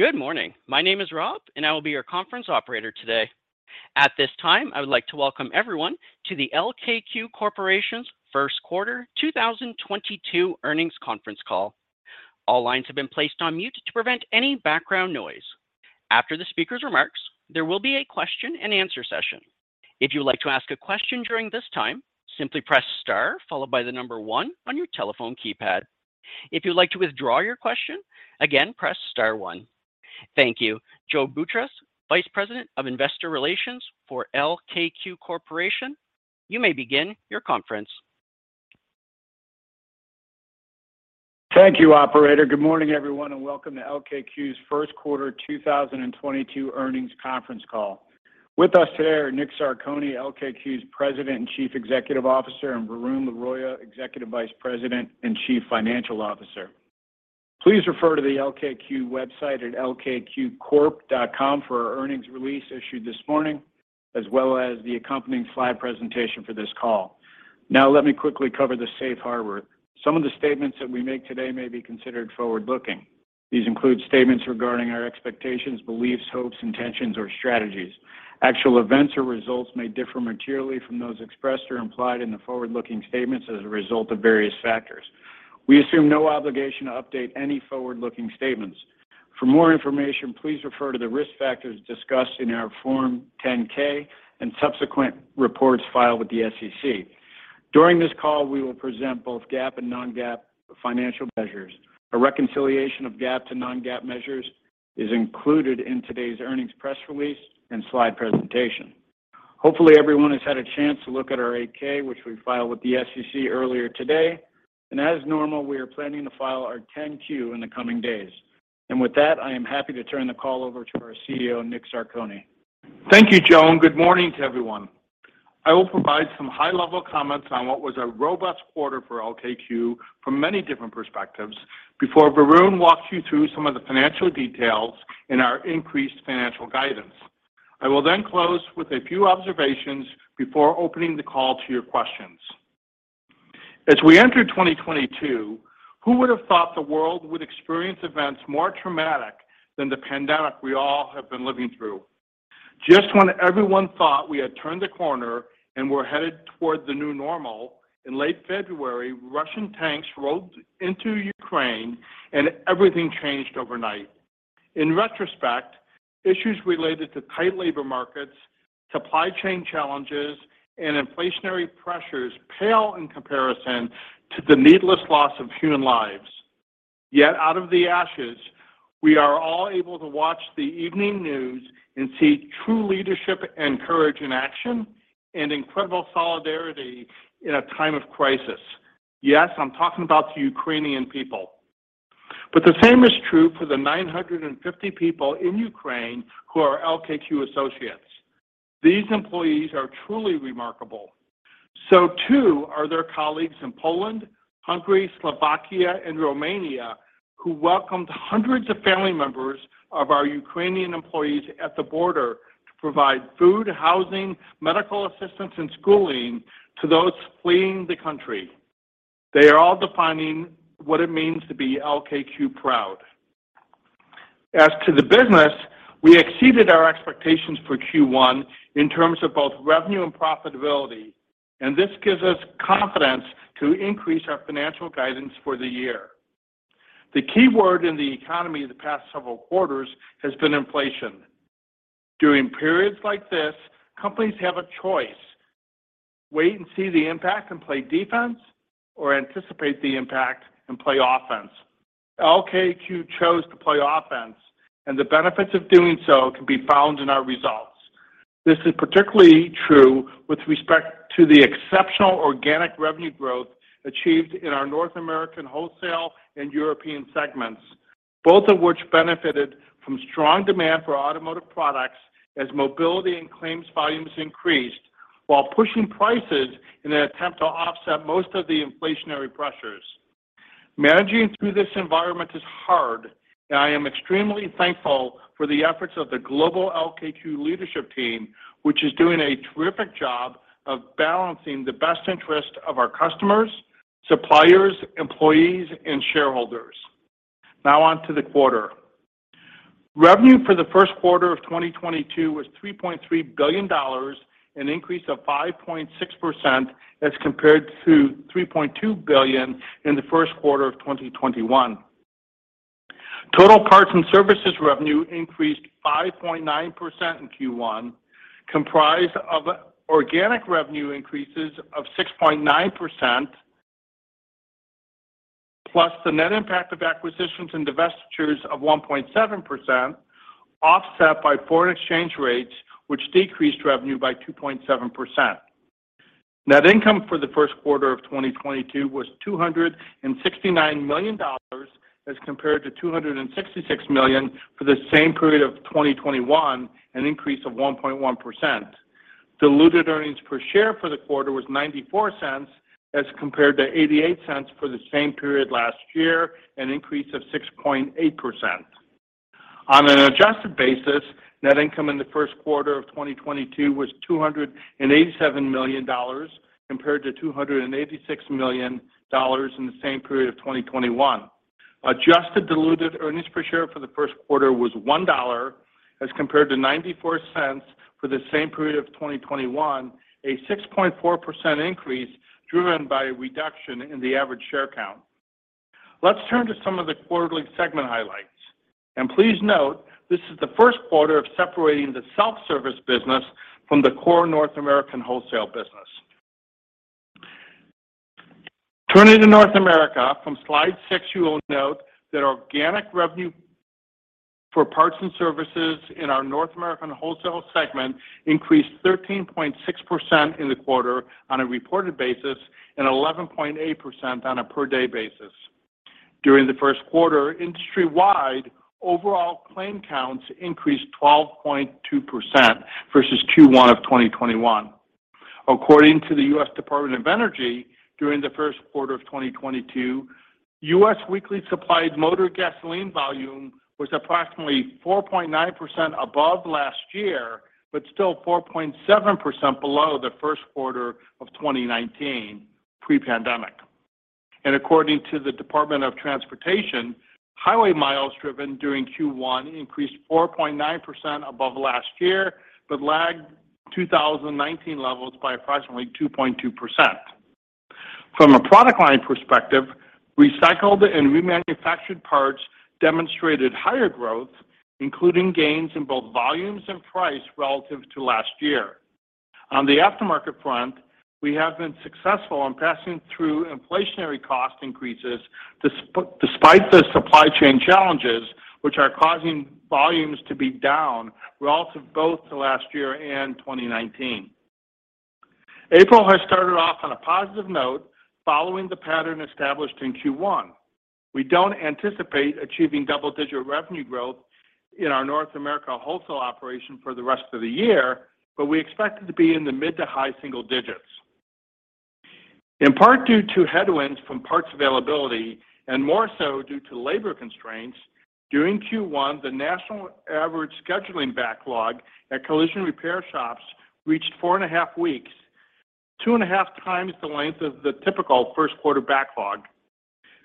Good morning. My name is Rob, and I will be your conference operator today. At this time, I would like to welcome everyone to the LKQ Corporation's Q1 2022 earnings conference call. All lines have been placed on mute to prevent any background noise. After the speaker's remarks, there will be a question-and-answer session. If you'd like to ask a question during this time, simply press Star followed by the number one on your telephone keypad. If you'd like to withdraw your question, again, press Star one. Thank you. Joe Boutross, VP of Investor Relations for LKQ Corporation, you may begin your conference. Thank you, operator. Good morning, everyone, and welcome to LKQ's first quarter 2022 earnings conference call. With us today are Nick Zarcone, LKQ's President and CEO, and Varun Laroyia, EVP and CFO. Please refer to the LKQ website at lkqcorp.com for our earnings release issued this morning, as well as the accompanying slide presentation for this call. Now, let me quickly cover the safe harbor. Some of the statements that we make today may be considered forward-looking. These include statements regarding our expectations, beliefs, hopes, intentions, or strategies. Actual events or results may differ materially from those expressed or implied in the forward-looking statements as a result of various factors. We assume no obligation to update any forward-looking statements. For more information, please refer to the risk factors discussed in our Form 10-K and subsequent reports filed with the SEC. During this call, we will present both GAAP and non-GAAP financial measures. A reconciliation of GAAP to non-GAAP measures is included in today's earnings press release and slide presentation. Hopefully, everyone has had a chance to look at our 8-K, which we filed with the SEC earlier today. As normal, we are planning to file our 10-Q in the coming days. With that, I am happy to turn the call over to our CEO, Nick Zarcone. Thank you, Joe Boutross, and good morning to everyone. I will provide some high-level comments on what was a robust quarter for LKQ from many different perspectives before Varun walks you through some of the financial details in our increased financial guidance. I will then close with a few observations before opening the call to your questions. As we enter 2022, who would have thought the world would experience events more traumatic than the pandemic we all have been living through? Just when everyone thought we had turned the corner and were headed toward the new normal, in late February, Russian tanks rolled into Ukraine and everything changed overnight. In retrospect, issues related to tight labor markets, supply chain challenges, and inflationary pressures pale in comparison to the needless loss of human lives. Yet out of the ashes, we are all able to watch the evening news and see true leadership and courage in action and incredible solidarity in a time of crisis. Yes, I'm talking about the Ukrainian people. The same is true for the 950 people in Ukraine who are LKQ associates. These employees are truly remarkable. Their colleagues in Poland, Hungary, Slovakia, and Romania welcomed hundreds of family members of our Ukrainian employees at the border to provide food, housing, medical assistance, and schooling to those fleeing the country. They are all defining what it means to be LKQ proud. As to the business, we exceeded our expectations for Q1 in terms of both revenue and profitability, and this gives us confidence to increase our financial guidance for the year. The keyword in the economy the past several quarters has been inflation. During periods like this, companies have a choice, wait and see the impact and play defense, or anticipate the impact and play offense. LKQ chose to play offense, and the benefits of doing so can be found in our results. This is particularly true with respect to the exceptional organic revenue growth achieved in our North American wholesale and European segments, both of which benefited from strong demand for automotive products as mobility and claims volumes increased while pushing prices in an attempt to offset most of the inflationary pressures. Managing through this environment is hard, and I am extremely thankful for the efforts of the global LKQ leadership team, which is doing a terrific job of balancing the best interest of our customers, suppliers, employees, and shareholders. Now on to the quarter. Revenue for the first quarter of 2022 was $3.3 billion, an increase of 5.6% as compared to $3.2 billion in the first quarter of 2021. Total parts and services revenue increased 5.9% in Q1, comprised of organic revenue increases of 6.9%, plus the net impact of acquisitions and divestitures of 1.7%, offset by foreign exchange rates, which decreased revenue by 2.7%. Net income for the first quarter of 2022 was $269 million as compared to $266 million for the same period of 2021, an increase of 1.1%. Diluted earnings per share for the quarter was $0.94 as compared to $0.88 for the same period last year, an increase of 6.8%. On an adjusted basis. Net income in the first quarter of 2022 was $287 million compared to $286 million in the same period of 2021. Adjusted diluted earnings per share for the first quarter was $1 as compared to $0.94 for the same period of 2021, a 6.4% increase driven by a reduction in the average share count. Let's turn to some of the quarterly segment highlights, and please note this is the first quarter of separating the self-service business from the core North American wholesale business. Turning to North America from slide 6, you will note that organic revenue for parts and services in our North American wholesale segment increased 13.6% in the quarter on a reported basis, and 11.8% on a per-day basis. During the first quarter, industry-wide overall claim counts increased 12.2% versus Q1 of 2021. According to the U.S. Department of Energy, during the first quarter of 2022, U.S. weekly supplied motor gasoline volume was approximately 4.9% above last year, but still 4.7% below the first quarter of 2019 pre-pandemic. According to the Department of Transportation, highway miles driven during Q1 increased 4.9% above last year, but lagged 2019 levels by approximately 2.2%. From a product line perspective, recycled and remanufactured parts demonstrated higher growth, including gains in both volumes and price relative to last year. On the aftermarket front, we have been successful in passing through inflationary cost increases despite the supply chain challenges which are causing volumes to be down relative both to last year and 2019. April has started off on a positive note following the pattern established in Q1. We don't anticipate achieving double-digit revenue growth in our North America wholesale operation for the rest of the year, but we expect it to be in the mid- to high-single-digits. In part due to headwinds from parts availability and more so due to labor constraints, during Q1, the national average scheduling backlog at collision repair shops reached 4.5 weeks, 2.5×the length of the typical first quarter backlog.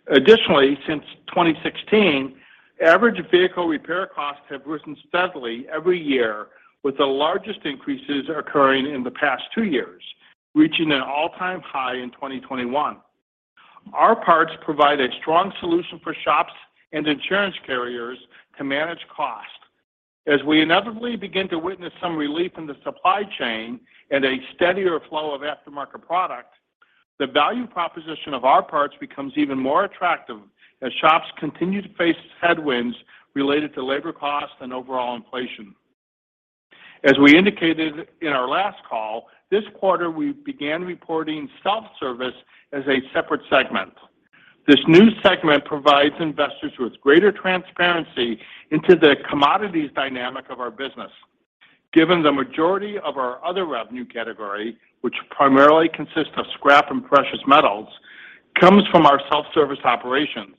Additionally, since 2016, average vehicle repair costs have risen steadily every year, with the largest increases occurring in the past two years, reaching an all-time high in 2021. Our parts provide a strong solution for shops and insurance carriers to manage costs. As we inevitably begin to witness some relief in the supply chain and a steadier flow of aftermarket product, the value proposition of our parts becomes even more attractive as shops continue to face headwinds related to labor costs and overall inflation. As we indicated in our last call, this quarter we began reporting self-service as a separate segment. This new segment provides investors with greater transparency into the commodities dynamic of our business. Given the majority of our other revenue category, which primarily consists of scrap and precious metals, comes from our self-service operations.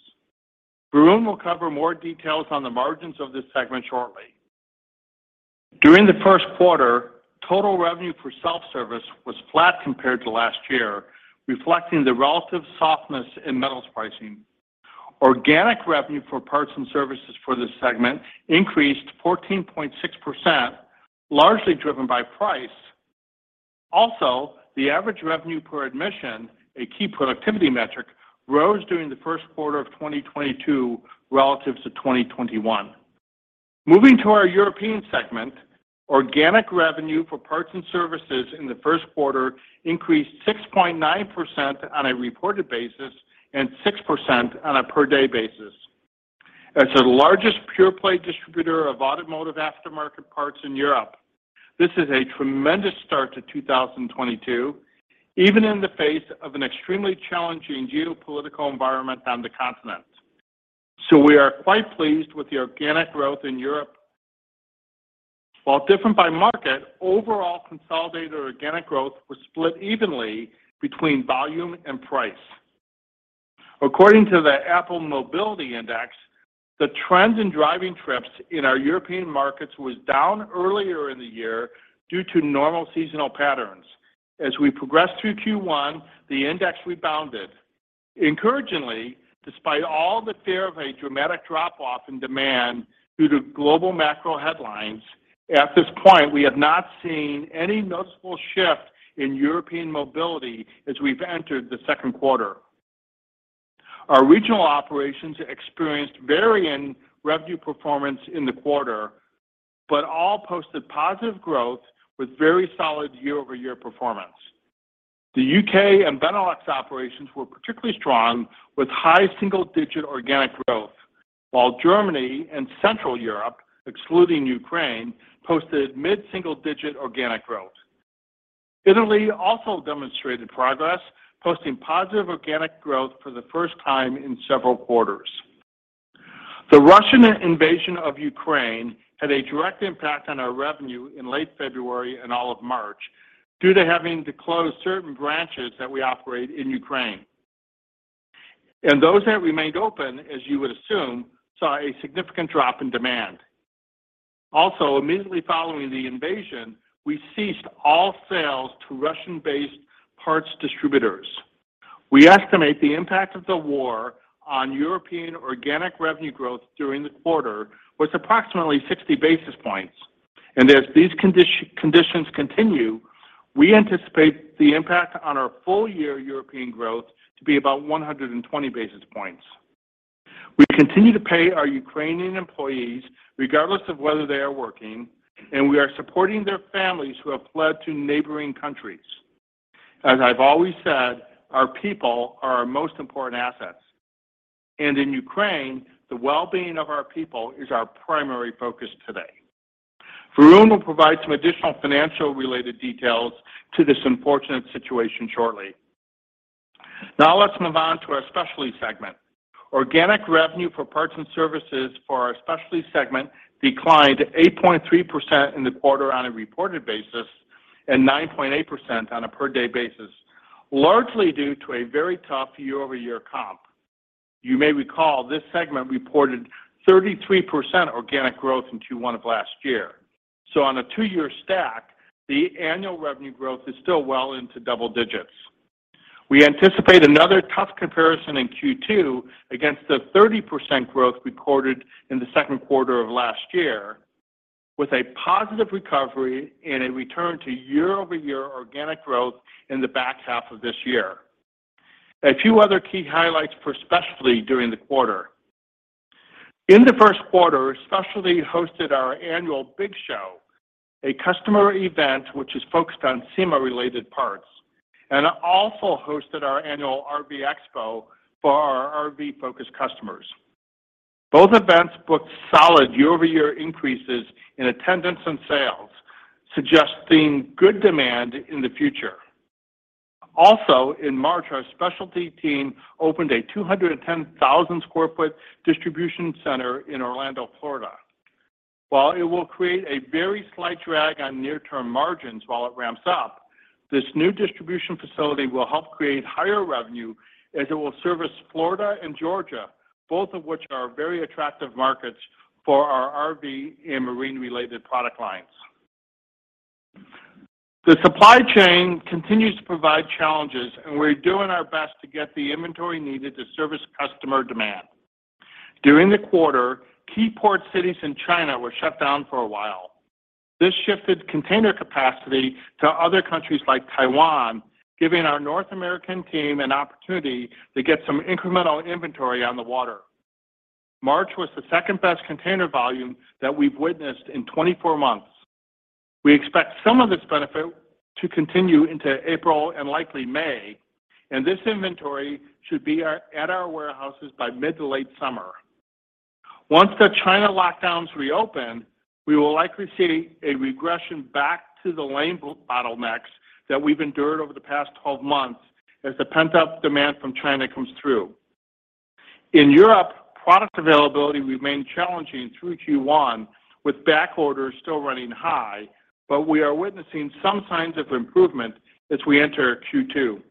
Varun will cover more details on the margins of this segment shortly. During the Q1, total revenue for self-service was flat compared to last year, reflecting the relative softness in metals pricing. Organic revenue for parts and services for this segment increased 14.6%, largely driven by price. Also, the average revenue per admission, a key productivity metric, rose during the Q1 of 2022 relative to 2021. Moving to our European segment, organic revenue for parts and services in the Q1 increased 6.9% on a reported basis and 6% on a per-day basis. As the largest pure-play distributor of automotive aftermarket parts in Europe, this is a tremendous start to 2022, even in the face of an extremely challenging geopolitical environment on the continent. We are quite pleased with the organic growth in Europe. While different by market, overall consolidated organic growth was split evenly between volume and price. According to the Apple Mobility Index, the trends in driving trips in our European markets was down earlier in the year due to normal seasonal patterns. As we progressed through Q1, the index rebounded. Encouragingly, despite all the fear of a dramatic drop-off in demand due to global macro headlines, at this point, we have not seen any noticeable shift in European mobility as we've entered the Q2. Our regional operations experienced varying revenue performance in the quarter, but all posted positive growth with very solid year-over-year performance. The U.K. and Benelux operations were particularly strong with high single-digit organic growth, while Germany and Central Europe, excluding Ukraine, posted mid-single digit organic growth. Italy also demonstrated progress, posting positive organic growth for the first time in several quarters. The Russian invasion of Ukraine had a direct impact on our revenue in late February and all of March due to having to close certain branches that we operate in Ukraine. Those that remained open, as you would assume, saw a significant drop in demand. Also, immediately following the invasion, we ceased all sales to Russian-based parts distributors. We estimate the impact of the war on European organic revenue growth during the quarter was approximately 60 basis points. As these conditions continue, we anticipate the impact on our full year European growth to be about 120 basis points. We continue to pay our Ukrainian employees regardless of whether they are working, and we are supporting their families who have fled to neighboring countries. As I've always said, our people are our most important assets. In Ukraine, the well-being of our people is our primary focus today. Varun will provide some additional financial related details to this unfortunate situation shortly. Now let's move on to our specialty segment. Organic revenue for parts and services for our specialty segment declined 8.3% in the quarter on a reported basis and 9.8% on a per-day basis, largely due to a very tough year-over-year comp. You may recall this segment reported 33% organic growth in Q1 of last year. On a two-year stack, the annual revenue growth is still well into double digits. We anticipate another tough comparison in Q2 against the 30% growth recorded in the Q2 of last year, with a positive recovery and a return to year-over-year organic growth in the back half of this year. A few other key highlights for specialty during the quarter. In the Q1, Specialty hosted our annual BIG Show, a customer event which is focused on SEMA-related parts, and also hosted our annual RV Expo for our RV-focused customers. Both events booked solid year-over-year increases in attendance and sales, suggesting good demand in the future. Also, in March, our specialty team opened a 210,000 sq ft distribution center in Orlando, Florida. While it will create a very slight drag on near-term margins while it ramps up, this new distribution facility will help create higher revenue as it will service Florida and Georgia, both of which are very attractive markets for our RV and marine-related product lines. The supply chain continues to provide challenges, and we're doing our best to get the inventory needed to service customer demand. During the quarter, key port cities in China were shut down for a while. This shifted container capacity to other countries like Taiwan, giving our North American team an opportunity to get some incremental inventory on the water. March was the second-best container volume that we've witnessed in 24 months. We expect some of this benefit to continue into April and likely May, and this inventory should be at our warehouses by mid to late summer. Once the China lockdowns reopen, we will likely see a regression back to the lane bottlenecks that we've endured over the past 12 months as the pent-up demand from China comes through. In Europe, product availability remained challenging through Q1, with backorders still running high, but we are witnessing some signs of improvement as we enter Q2.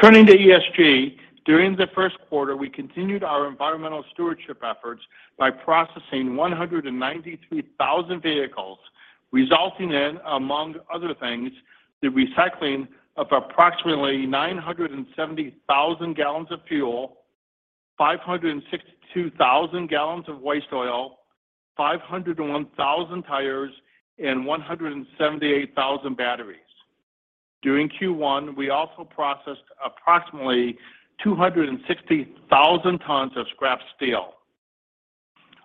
Turning to ESG, during the first quarter, we continued our environmental stewardship efforts by processing 193,000 vehicles, resulting in, among other things, the recycling of approximately 970,000 gallons of fuel, 562,000 gallons of waste oil, 501,000 tires, and 178,000 batteries. During Q1, we also processed approximately 260,000 tons of scrap steel.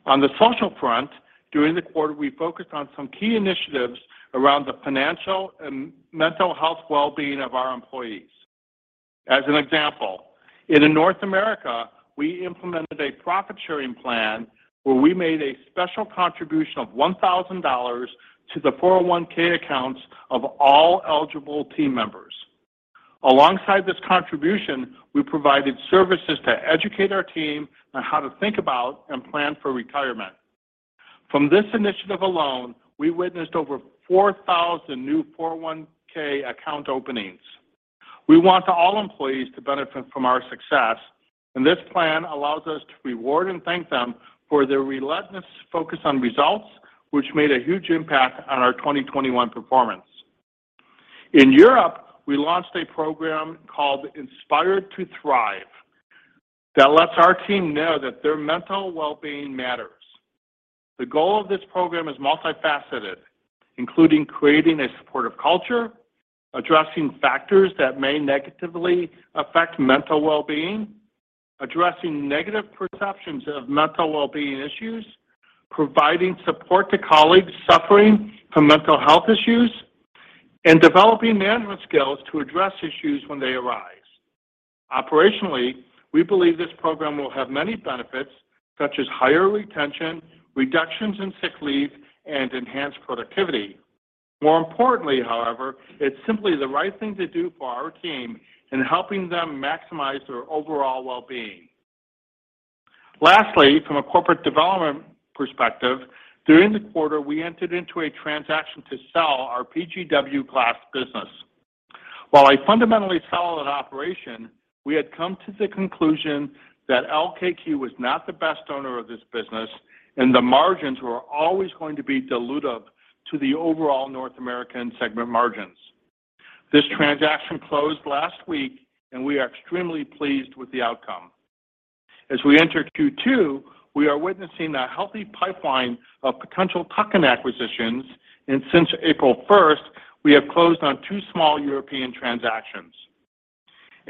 On the social front, during the quarter, we focused on some key initiatives around the financial and mental health well-being of our employees. As an example, in North America, we implemented a profit-sharing plan where we made a special contribution of $1,000 to the 401K accounts of all eligible team members. Alongside this contribution, we provided services to educate our team on how to think about and plan for retirement. From this initiative alone, we witnessed over 4,000 new 401K account openings. We want all employees to benefit from our success, and this plan allows us to reward and thank them for their relentless focus on results, which made a huge impact on our 2021 performance. In Europe, we launched a program called Inspired to Thrive that lets our team know that their mental well-being matters. The goal of this program is multifaceted, including creating a supportive culture, addressing factors that may negatively affect mental well-being, addressing negative perceptions of mental well-being issues, providing support to colleagues suffering from mental health issues, and developing management skills to address issues when they arise. Operationally, we believe this program will have many benefits, such as higher retention, reductions in sick leave, and enhanced productivity. More importantly, however, it's simply the right thing to do for our team in helping them maximize their overall well-being. Lastly, from a corporate development perspective, during the quarter, we entered into a transaction to sell our PGW glass business. While we fundamentally sold an operation, we had come to the conclusion that LKQ was not the best owner of this business, and the margins were always going to be dilutive to the overall North American segment margins. This transaction closed last week, and we are extremely pleased with the outcome. As we enter Q2, we are witnessing a healthy pipeline of potential tuck-in acquisitions, and since April first, we have closed on two small European transactions.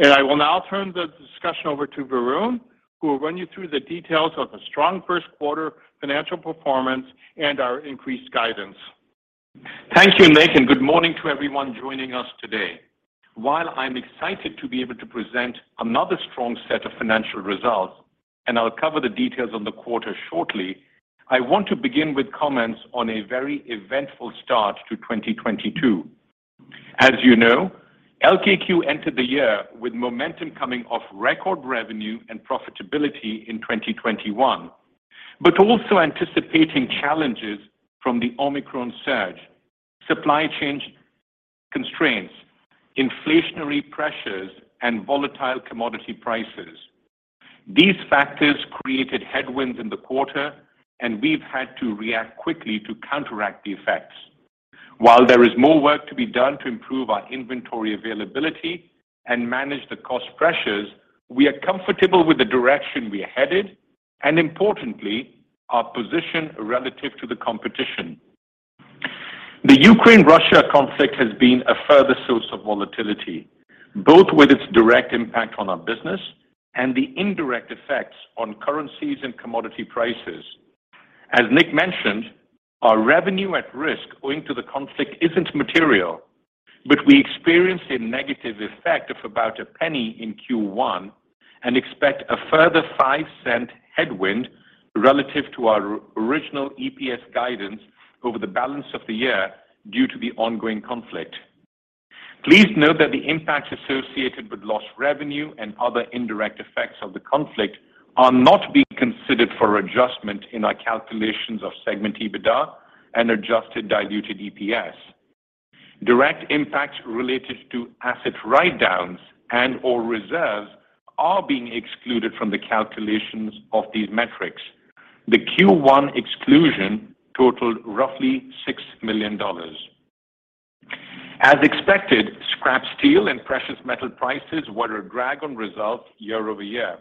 I will now turn the discussion over to Varun, who will run you through the details of the strong first quarter financial performance and our increased guidance. Thank you, Nick, and good morning to everyone joining us today. While I'm excited to be able to present another strong set of financial results, and I'll cover the details on the quarter shortly, I want to begin with comments on a very eventful start to 2022. As you know, LKQ entered the year with momentum coming off record revenue and profitability in 2021. Also anticipating challenges from the Omicron surge, supply chain constraints, inflationary pressures, and volatile commodity prices. These factors created headwinds in the quarter, and we've had to react quickly to counteract the effects. While there is more work to be done to improve our inventory availability and manage the cost pressures, we are comfortable with the direction we are headed, and importantly, our position relative to the competition. The Ukraine-Russia conflict has been a further source of volatility, both with its direct impact on our business and the indirect effects on currencies and commodity prices. As Nick mentioned, our revenue at risk owing to the conflict isn't material, but we experienced a negative effect of about $0.01 in Q1 and expect a further $0.05 headwind relative to our original EPS guidance over the balance of the year due to the ongoing conflict. Please note that the impacts associated with lost revenue and other indirect effects of the conflict are not being considered for adjustment in our calculations of segment EBITDA and adjusted diluted EPS. Direct impacts related to asset write-downs and/or reserves are being excluded from the calculations of these metrics. The Q1 exclusion totaled roughly $6 million. As expected, scrap steel and precious metal prices were a drag on results year-over-year.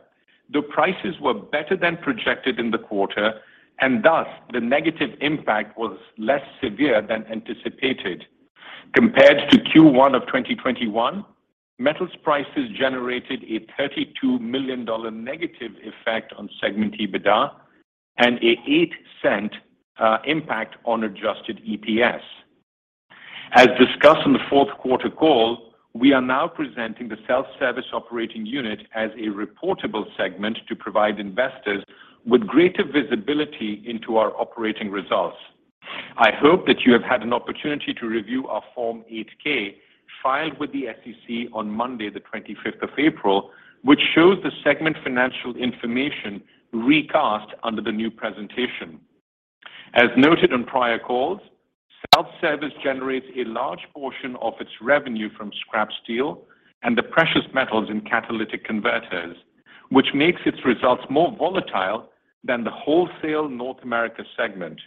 The prices were better than projected in the quarter, and thus the negative impact was less severe than anticipated. Compared to Q1 of 2021, metals prices generated a $32 million negative effect on segment EBITDA and an 8-cent impact on adjusted EPS. As discussed on the fourth quarter call, we are now presenting the self-service operating unit as a reportable segment to provide investors with greater visibility into our operating results. I hope that you have had an opportunity to review our Form 8-K filed with the SEC on Monday, the twenty-fifth of April, which shows the segment financial information recast under the new presentation. As noted on prior calls, self-service generates a large portion of its revenue from scrap steel and the precious metals in catalytic converters, which makes its results more volatile than the wholesale North America segment.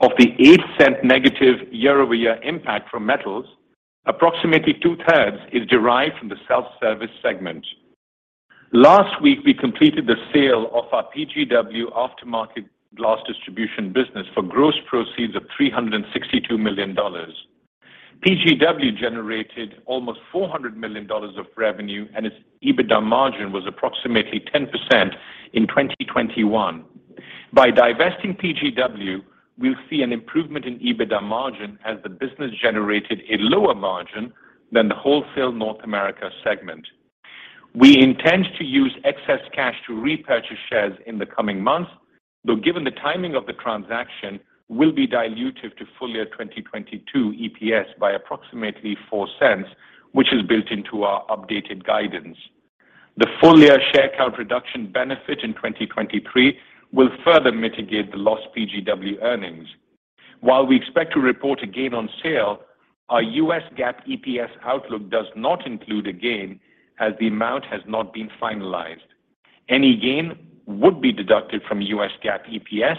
Of the $0.08 negative year-over-year impact from metals, approximately two-thirds is derived from the self-service segment. Last week, we completed the sale of our PGW aftermarket glass distribution business for gross proceeds of $362 million. PGW generated almost $400 million of revenue, and its EBITDA margin was approximately 10% in 2021. By divesting PGW, we'll see an improvement in EBITDA margin as the business generated a lower margin than the wholesale North America segment. We intend to use excess cash to repurchase shares in the coming months, though given the timing of the transaction will be dilutive to full-year 2022 EPS by approximately $0.04, which is built into our updated guidance. The full-year share count reduction benefit in 2023 will further mitigate the lost PGW earnings. While we expect to report a gain on sale, our US GAAP EPS outlook does not include a gain as the amount has not been finalized. Any gain would be deducted from US GAAP EPS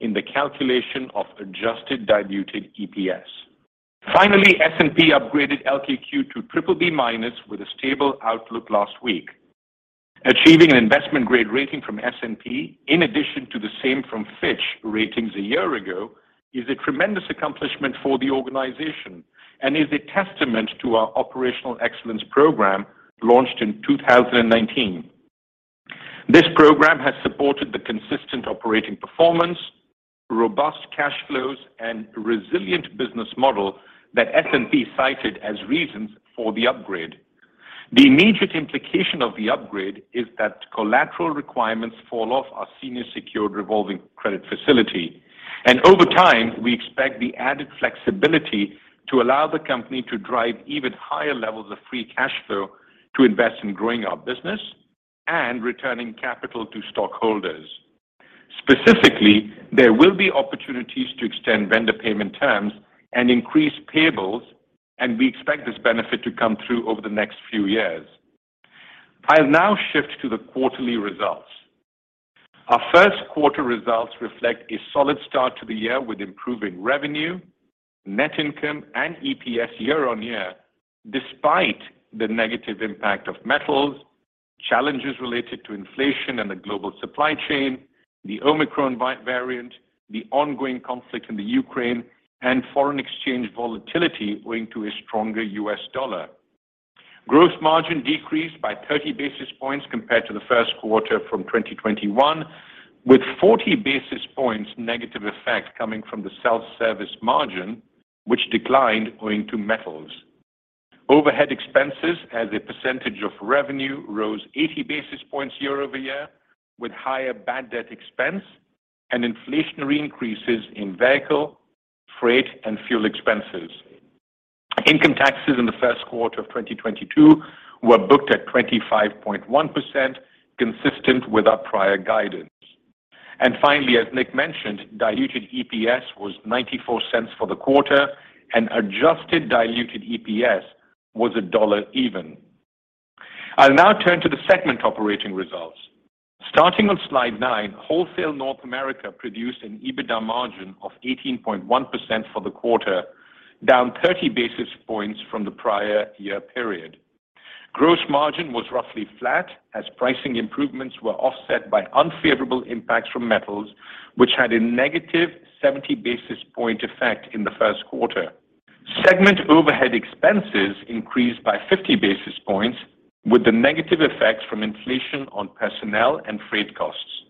in the calculation of adjusted diluted EPS. Finally, S&P upgraded LKQ to BBB- with a stable outlook last week. Achieving an investment-grade rating from S&P, in addition to the same from Fitch Ratings a year ago, is a tremendous accomplishment for the organization and is a testament to our operational excellence program launched in 2019. This program has supported the consistent operating performance, robust cash flows, and resilient business model that S&P cited as reasons for the upgrade. The immediate implication of the upgrade is that collateral requirements fall off our senior secured revolving credit facility. Over time, we expect the added flexibility to allow the company to drive even higher levels of free cash flow to invest in growing our business and returning capital to stockholders. Specifically, there will be opportunities to extend vendor payment terms and increase payables, and we expect this benefit to come through over the next few years. I'll now shift to the quarterly results. Our first quarter results reflect a solid start to the year with improving revenue, net income, and EPS year-on-year, despite the negative impact of metals, challenges related to inflation and the global supply chain, the Omicron variant, the ongoing conflict in Ukraine, and foreign exchange volatility owing to a stronger U.S. dollar. Gross margin decreased by 30 basis points compared to the first quarter from 2021, with 40 basis points negative effect coming from the self-service margin, which declined owing to metals. Overhead expenses as a percentage of revenue rose 80 basis points year-over-year, with higher bad debt expense and inflationary increases in vehicle, freight, and fuel expenses. Income taxes in the first quarter of 2022 were booked at 25.1%, consistent with our prior guidance. Finally, as Nick mentioned, diluted EPS was $0.94 for the quarter, and adjusted diluted EPS was $1.00. I'll now turn to the segment operating results. Starting on slide nine, Wholesale North America produced an EBITDA margin of 18.1% for the quarter, down 30 basis points from the prior year period. Gross margin was roughly flat as pricing improvements were offset by unfavorable impacts from metals, which had a negative 70 basis point effect in the Q1. Segment overhead expenses increased by 50 basis points, with the negative effects from inflation on personnel and freight costs.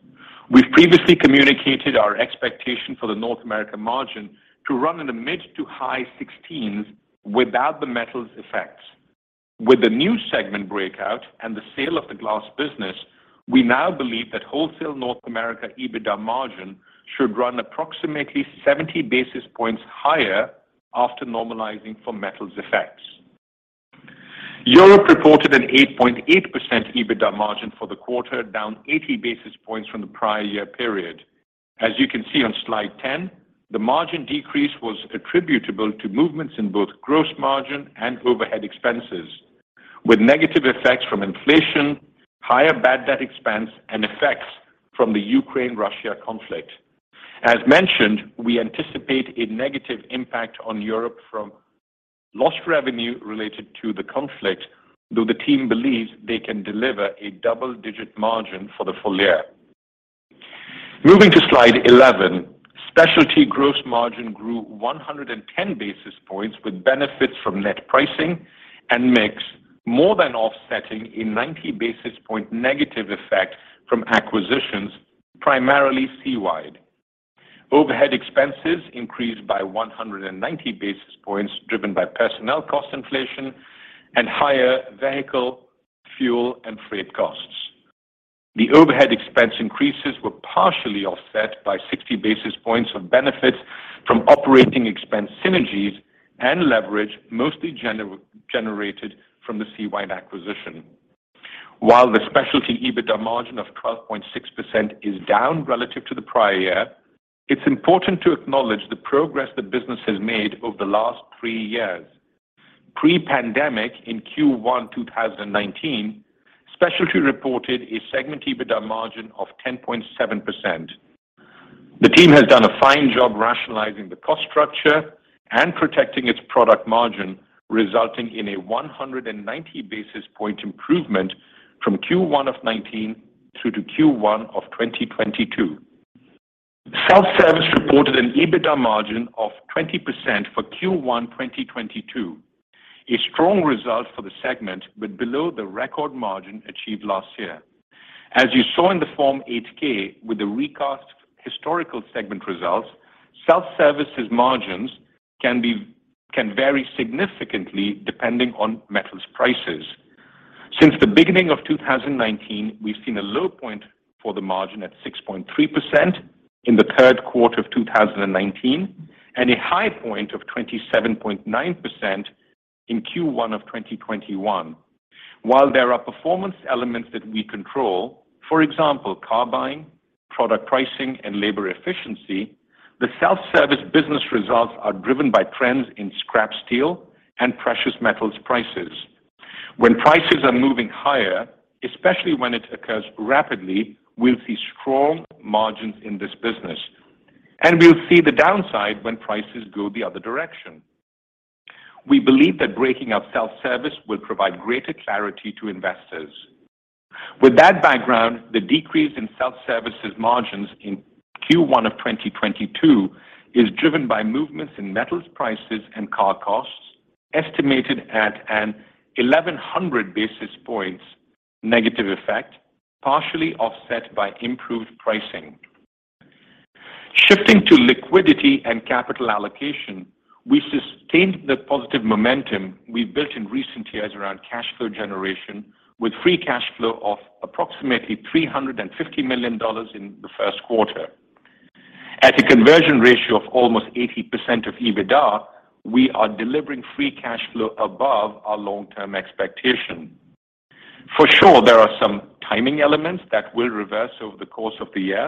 We've previously communicated our expectation for the North America margin to run in the mid- to high-16% without the metals effects. With the new segment breakout and the sale of the glass business, we now believe that Wholesale North America EBITDA margin should run approximately 70 basis points higher after normalizing for metals effects. Europe reported an 8.8% EBITDA margin for the quarter, down 80 basis points from the prior year period. As you can see on slide 10, the margin decrease was attributable to movements in both gross margin and overhead expenses, with negative effects from inflation, higher bad debt expense, and effects from the Ukraine-Russia conflict. As mentioned, we anticipate a negative impact on Europe from lost revenue related to the conflict, though the team believes they can deliver a double-digit margin for the full year. Moving to slide 11. Specialty gross margin grew 110 basis points with benefits from net pricing and mix more than offsetting a 90 basis points negative effect from acquisitions, primarily SeaWide. Overhead expenses increased by 190 basis points, driven by personnel cost inflation and higher vehicle, fuel, and freight costs. The overhead expense increases were partially offset by 60 basis points of benefits from operating expense synergies and leverage mostly generated from the SeaWide acquisition. While the specialty EBITDA margin of 12.6% is down relative to the prior year, it's important to acknowledge the progress the business has made over the last three years. Pre-pandemic in Q1 2019, Specialty reported a segment EBITDA margin of 10.7%. The team has done a fine job rationalizing the cost structure and protecting its product margin, resulting in a 190 basis point improvement from Q1 of 2019 through to Q1 of 2022. Self-service reported an EBITDA margin of 20% for Q1 2022. A strong result for the segment, but below the record margin achieved last year. As you saw in the Form 8-K with the recast historical segment results, self-service's margins can vary significantly depending on metals prices. Since the beginning of 2019, we've seen a low point for the margin at 6.3% in the third quarter of 2019 and a high point of 27.9% in Q1 of 2021. While there are performance elements that we control, for example, car buying, product pricing, and labor efficiency, the self-service business results are driven by trends in scrap steel and precious metals prices. When prices are moving higher, especially when it occurs rapidly, we'll see strong margins in this business, and we'll see the downside when prices go the other direction. We believe that breaking up self-service will provide greater clarity to investors. With that background, the decrease in self-service's margins in Q1 of 2022 is driven by movements in metals prices and car costs, estimated at an 1,100 basis points negative effect, partially offset by improved pricing. Shifting to liquidity and capital allocation. We sustained the positive momentum we built in recent years around cash flow generation with free cash flow of approximately $350 million in the first quarter. At a conversion ratio of almost 80% of EBITDA, we are delivering free cash flow above our long-term expectation. For sure, there are some timing elements that will reverse over the course of the year,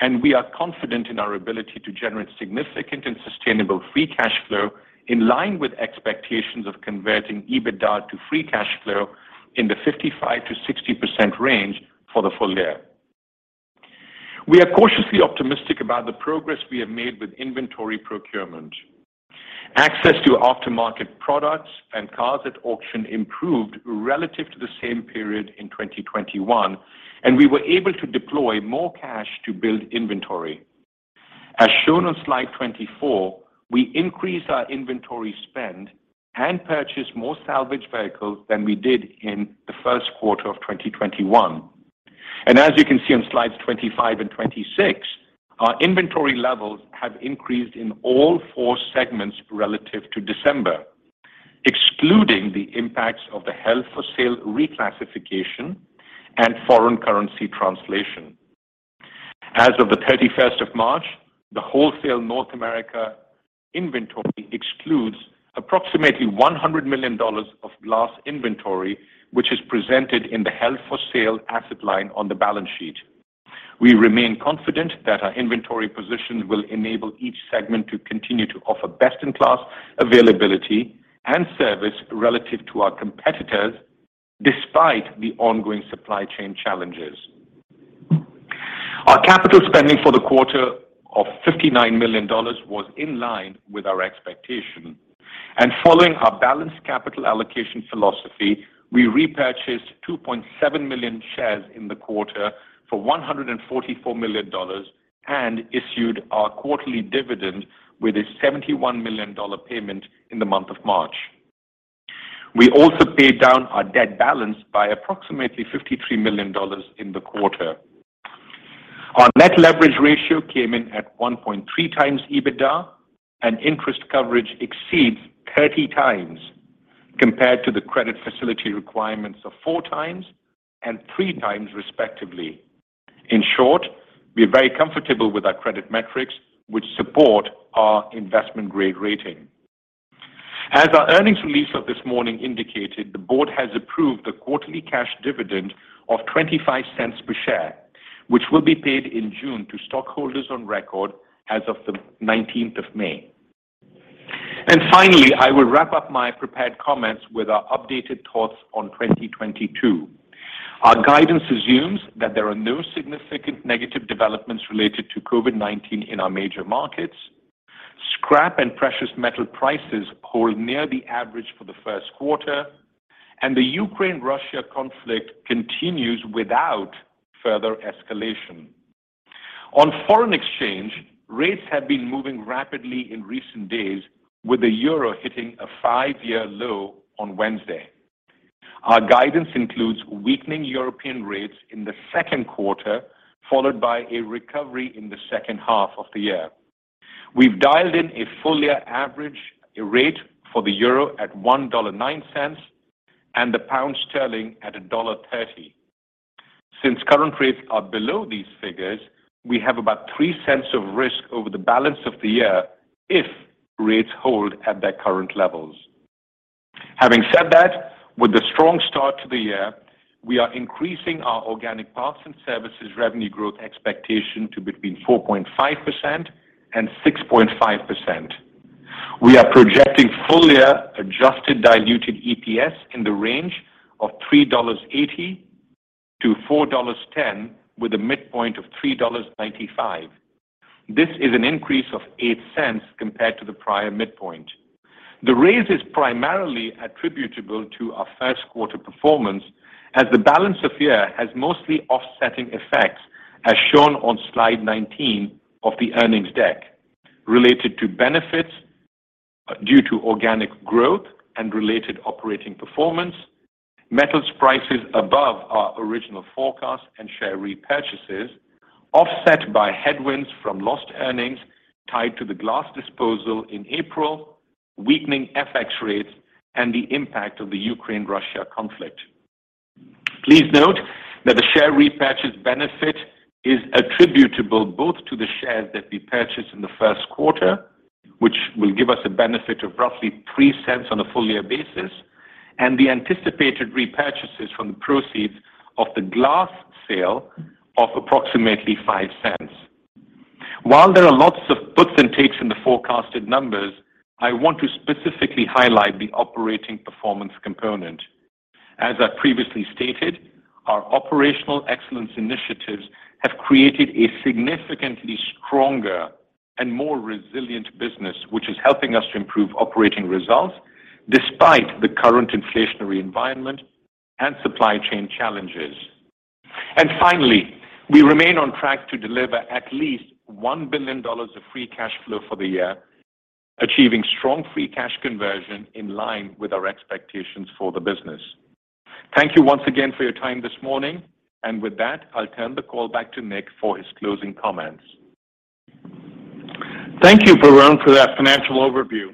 and we are confident in our ability to generate significant and sustainable free cash flow in line with expectations of converting EBITDA to free cash flow in the 55%-60% range for the full year. We are cautiously optimistic about the progress we have made with inventory procurement. Access to aftermarket products and cars at auction improved relative to the same period in 2021, and we were able to deploy more cash to build inventory. As shown on slide 24, we increased our inventory spend and purchased more salvaged vehicles than we did in the Q1 of 2021. As you can see on slides 25 and 26, our inventory levels have increased in all four segments relative to December, excluding the impacts of the held for sale reclassification and foreign currency translation. As of the 31st of March, the wholesale North America inventory excludes approximately $100 million of glass inventory, which is presented in the held for sale asset line on the balance sheet. We remain confident that our inventory position will enable each segment to continue to offer best in class availability and service relative to our competitors despite the ongoing supply chain challenges. Our capital spending for the quarter of $59 million was in line with our expectation. Following our balanced capital allocation philosophy, we repurchased 2.7 million shares in the quarter for $144 million and issued our quarterly dividend with a $71 million payment in the month of March. We also paid down our debt balance by approximately $53 million in the quarter. Our net leverage ratio came in at 1.3 times EBITDA, and interest coverage exceeds 30 times compared to the credit facility requirements of 4 times and 3 times, respectively. In short, we are very comfortable with our credit metrics which support our investment-grade rating. As our earnings release of this morning indicated, the board has approved a quarterly cash dividend of $0.25 per share, which will be paid in June to stockholders on record as of May 19. Finally, I will wrap up my prepared comments with our updated thoughts on 2022. Our guidance assumes that there are no significant negative developments related to COVID-19 in our major markets. Scrap and precious metal prices hold near the average for the first quarter, and the Ukraine-Russia conflict continues without further escalation. On foreign exchange, rates have been moving rapidly in recent days with the euro hitting a five-year low on Wednesday. Our guidance includes weakening European rates in the Q2, followed by a recovery in the second half of the year. We've dialed in a full year average rate for the euro at $1.09 and the pound sterling at $1.30. Since current rates are below these figures, we have about $0.03 of risk over the balance of the year if rates hold at their current levels. Having said that, with the strong start to the year, we are increasing our organic parts and services revenue growth expectation to between 4.5% and 6.5%. We are projecting full-year adjusted diluted EPS in the range of $3.80-$4.10, with a midpoint of $3.95. This is an increase of 8 cents compared to the prior midpoint. The raise is primarily attributable to our first quarter performance as the balance of year has mostly offsetting effects as shown on slide 19 of the earnings deck related to benefits due to organic growth and related operating performance. Metals prices above our original forecast and share repurchases, offset by headwinds from lost earnings tied to the glass disposal in April, weakening FX rates, and the impact of the Ukraine-Russia conflict. Please note that the share repurchase benefit is attributable both to the shares that we purchased in the first quarter, which will give us a benefit of roughly $0.03 on a full year basis, and the anticipated repurchases from the proceeds of the glass sale of approximately $0.05. While there are lots of puts and takes in the forecasted numbers, I want to specifically highlight the operating performance component. As I previously stated, our operational excellence initiatives have created a significantly stronger and more resilient business, which is helping us to improve operating results despite the current inflationary environment and supply chain challenges. Finally, we remain on track to deliver at least $1 billion of free cash flow for the year, achieving strong free cash conversion in line with our expectations for the business. Thank you once again for your time this morning. With that, I'll turn the call back to Nick for his closing comments. Thank you, Varun, for that financial overview.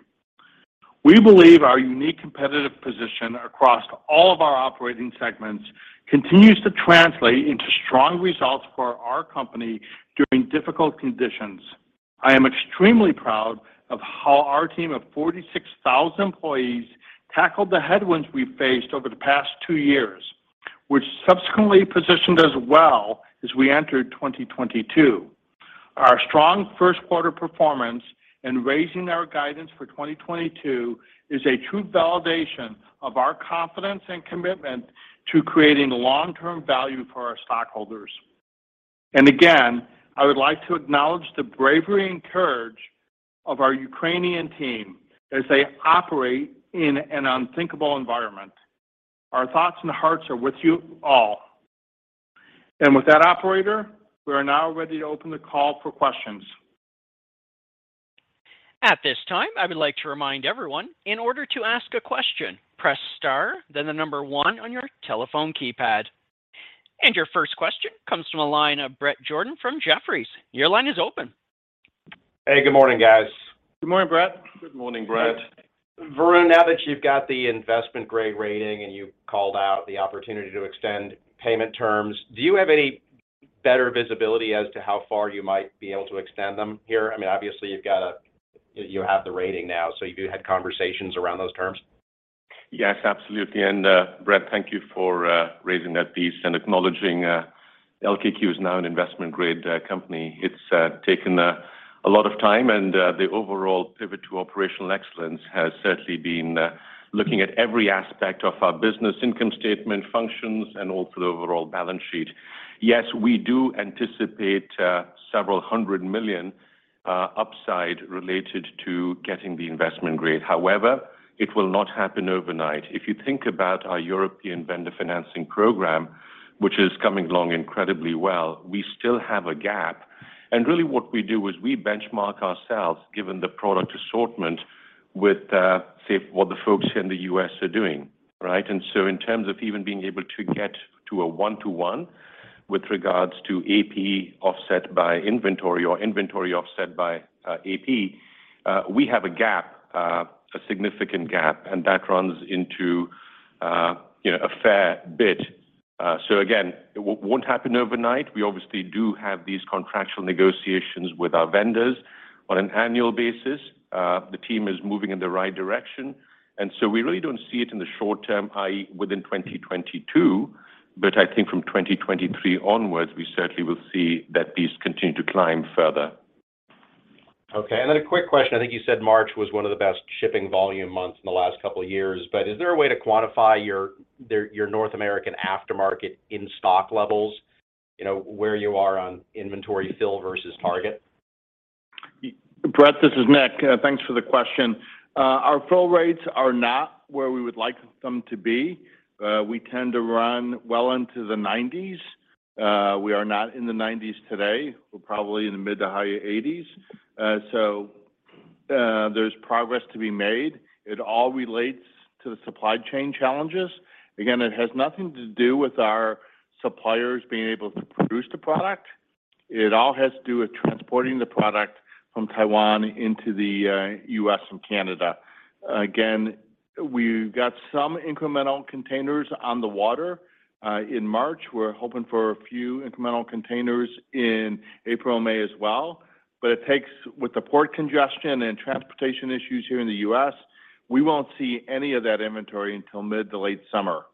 We believe our unique competitive position across all of our operating segments continues to translate into strong results for our company during difficult conditions. I am extremely proud of how our team of 46,000 employees tackled the headwinds we faced over the past two years, which subsequently positioned us well as we entered 2022. Our strong Q1 performance and raising our guidance for 2022 is a true validation of our confidence and commitment to creating long-term value for our stockholders. Again, I would like to acknowledge the bravery and courage of our Ukrainian team as they operate in an unthinkable environment. Our thoughts and hearts are with you all. With that, operator, we are now ready to open the call for questions. At this time, I would like to remind everyone, in order to ask a question, press star, then the number one on your telephone keypad. Your first question comes from the line of Bret Jordan from Jefferies. Your line is open. Hey, good morning, guys. Good morning, Brett. Good morning, Bret. Varun, now that you've got the investment grade rating and you called out the opportunity to extend payment terms, do you have any better visibility as to how far you might be able to extend them here? I mean, obviously, you have the rating now, so you had conversations around those terms. Yes, absolutely. Bret, thank you for raising that piece and acknowledging LKQ is now an investment grade company. It's taken a lot of time, and the overall pivot to operational excellence has certainly been looking at every aspect of our business income statement functions and also the overall balance sheet. Yes, we do anticipate $several hundred million upside related to getting the investment grade. However, it will not happen overnight. If you think about our European vendor financing program, which is coming along incredibly well, we still have a gap. Really what we do is we benchmark ourselves, given the product assortment with, say what the folks here in the U.S. are doing, right? In terms of even being able to get to a one-to-one with regards to AP offset by inventory or inventory offset by AP, we have a gap, a significant gap, and that runs into, you know, a fair bit. Again, it won't happen overnight. We obviously do have these contractual negotiations with our vendors on an annual basis. The team is moving in the right direction. We really don't see it in the short term, i.e., within 2022, but I think from 2023 onwards, we certainly will see that piece continue to climb further. Okay. A quick question. I think you said March was one of the best shipping volume months in the last couple of years. Is there a way to quantify your North American aftermarket in-stock levels, you know, where you are on inventory fill versus target? Bret, this is Nick. Thanks for the question. Our fill rates are not where we would like them to be. We tend to run well into the 90s. We are not in the 90s today. We're probably in the mid- to high 80s. So, there's progress to be made. It all relates to the supply chain challenges. Again, it has nothing to do with our suppliers being able to produce the product. It all has to do with transporting the product from Taiwan into the U.S. and Canada. Again, we've got some incremental containers on the water in March. We're hoping for a few incremental containers in April and May as well. With the port congestion and transportation issues here in the U.S., we won't see any of that inventory until mid- to late summer.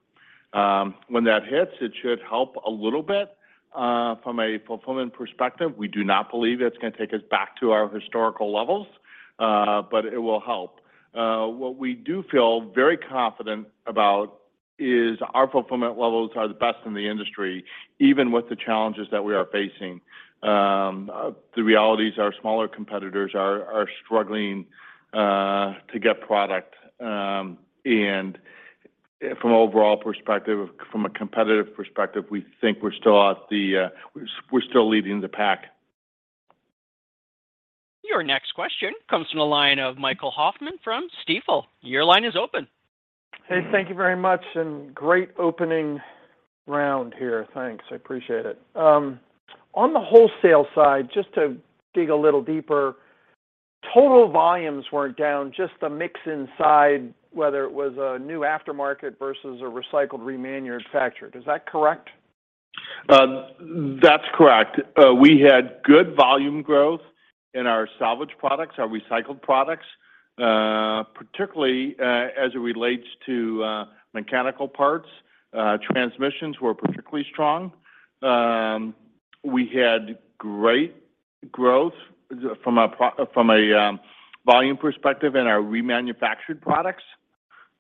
When that hits, it should help a little bit from a fulfillment perspective. We do not believe it's gonna take us back to our historical levels, but it will help. What we do feel very confident about is our fulfillment levels are the best in the industry, even with the challenges that we are facing. The reality is our smaller competitors are struggling to get product. From an overall perspective, from a competitive perspective, we think we're still leading the pack. Your next question comes from the line of Michael Hoffman from Stifel. Your line is open. Hey, thank you very much, and great opening round here. Thanks. I appreciate it. On the wholesale side, just to dig a little deeper, total volumes weren't down, just the mix inside, whether it was a new aftermarket versus a recycled remanufactured. Is that correct? That's correct. We had good volume growth in our salvage products, our recycled products, particularly as it relates to mechanical parts. Transmissions were particularly strong. We had great growth from a volume perspective in our remanufactured products,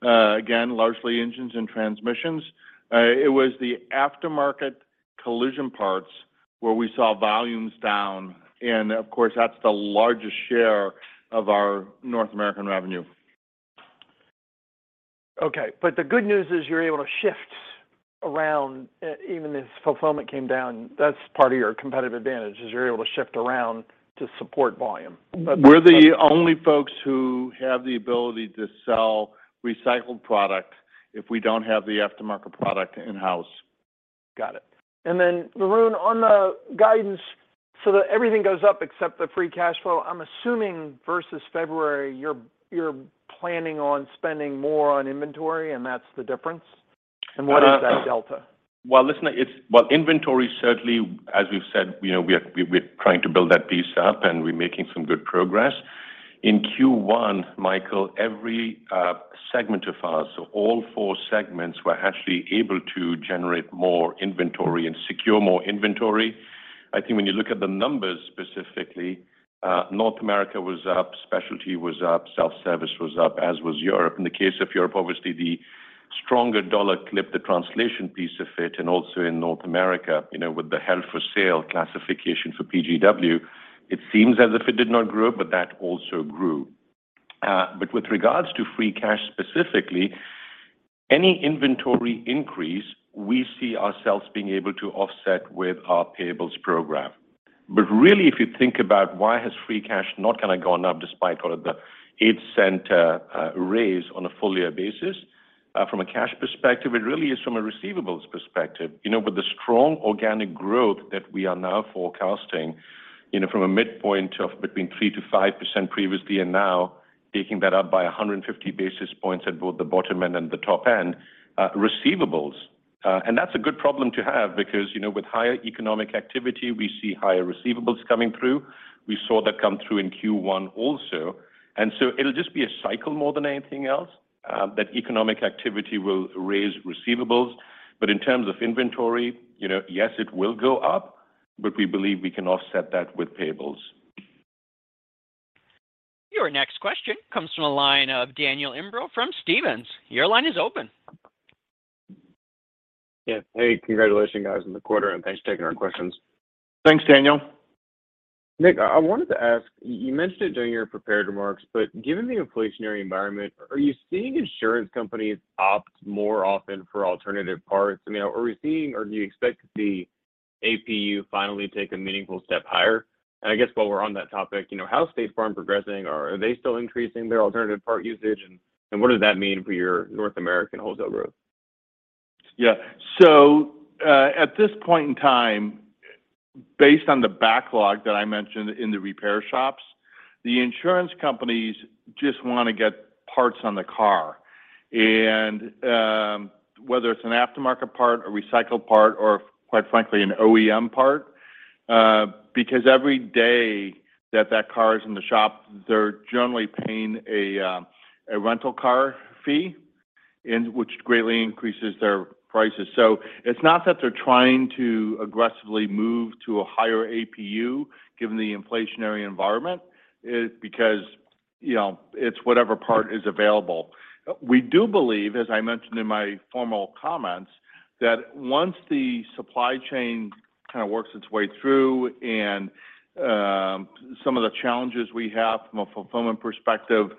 again, largely engines and transmissions. It was the aftermarket collision parts where we saw volumes down. Of course, that's the largest share of our North American revenue. Okay. The good news is you're able to shift Even as fulfillment came down, that's part of your competitive advantage is you're able to shift around to support volume. We're the only folks who have the ability to sell recycled product if we don't have the aftermarket product in-house. Got it. Varun, on the guidance, so everything goes up except the free cash flow, I'm assuming versus February, you're planning on spending more on inventory, and that's the difference? Uh- What is that delta? Inventory certainly, as we've said, you know, we're trying to build that piece up, and we're making some good progress. In Q1, Michael, every segment of ours, so all four segments, were actually able to generate more inventory and secure more inventory. I think when you look at the numbers specifically, North America was up, specialty was up, self-service was up, as was Europe. In the case of Europe, obviously, the stronger dollar clipped the translation piece of it. Also in North America, you know, with the held-for-sale classification for PGW, it seems as if it did not grow, but that also grew. But with regards to free cash specifically, any inventory increase, we see ourselves being able to offset with our payables program. Really, if you think about why has free cash not kind of gone up despite all of the 8% raise on a full year basis, from a cash perspective, it really is from a receivables perspective, you know. With the strong organic growth that we are now forecasting, you know, from a midpoint of between 3%-5% previously and now taking that up by 150 basis points at both the bottom end and the top end, receivables. That's a good problem to have because, you know, with higher economic activity, we see higher receivables coming through. We saw that come through in Q1 also. It'll just be a cycle more than anything else, that economic activity will raise receivables. In terms of inventory, you know, yes, it will go up, but we believe we can offset that with payables. Your next question comes from the line of Daniel Imbro from Stephens. Your line is open. Yeah. Hey, congratulations, guys, on the quarter, and thanks for taking our questions. Thanks, Daniel. Nick, I wanted to ask, you mentioned it during your prepared remarks, but given the inflationary environment, are you seeing insurance companies opt more often for alternative parts? I mean, are we seeing or do you expect to see APU finally take a meaningful step higher? And I guess while we're on that topic, you know, how is State Farm progressing? Are they still increasing their alternative part usage, and what does that mean for your North American wholesale growth? Yeah. At this point in time, based on the backlog that I mentioned in the repair shops, the insurance companies just wanna get parts on the car. Whether it's an aftermarket part, a recycled part, or quite frankly, an OEM part, because every day that that car is in the shop, they're generally paying a rental car fee, and which greatly increases their prices. It's not that they're trying to aggressively move to a higher APU given the inflationary environment. It's because, you know, it's whatever part is available. We do believe, as I mentioned in my formal comments, that once the supply chain kind of works its way through and some of the challenges we have from a fulfillment perspective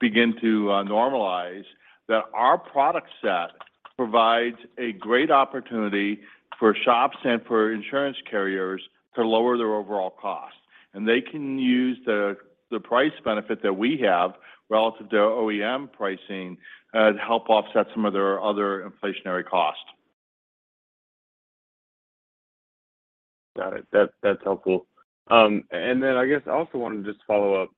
begin to normalize, that our product set provides a great opportunity for shops and for insurance carriers to lower their overall cost. They can use the price benefit that we have relative to OEM pricing to help offset some of their other inflationary costs. Got it. That's helpful. I guess I also wanted to just follow up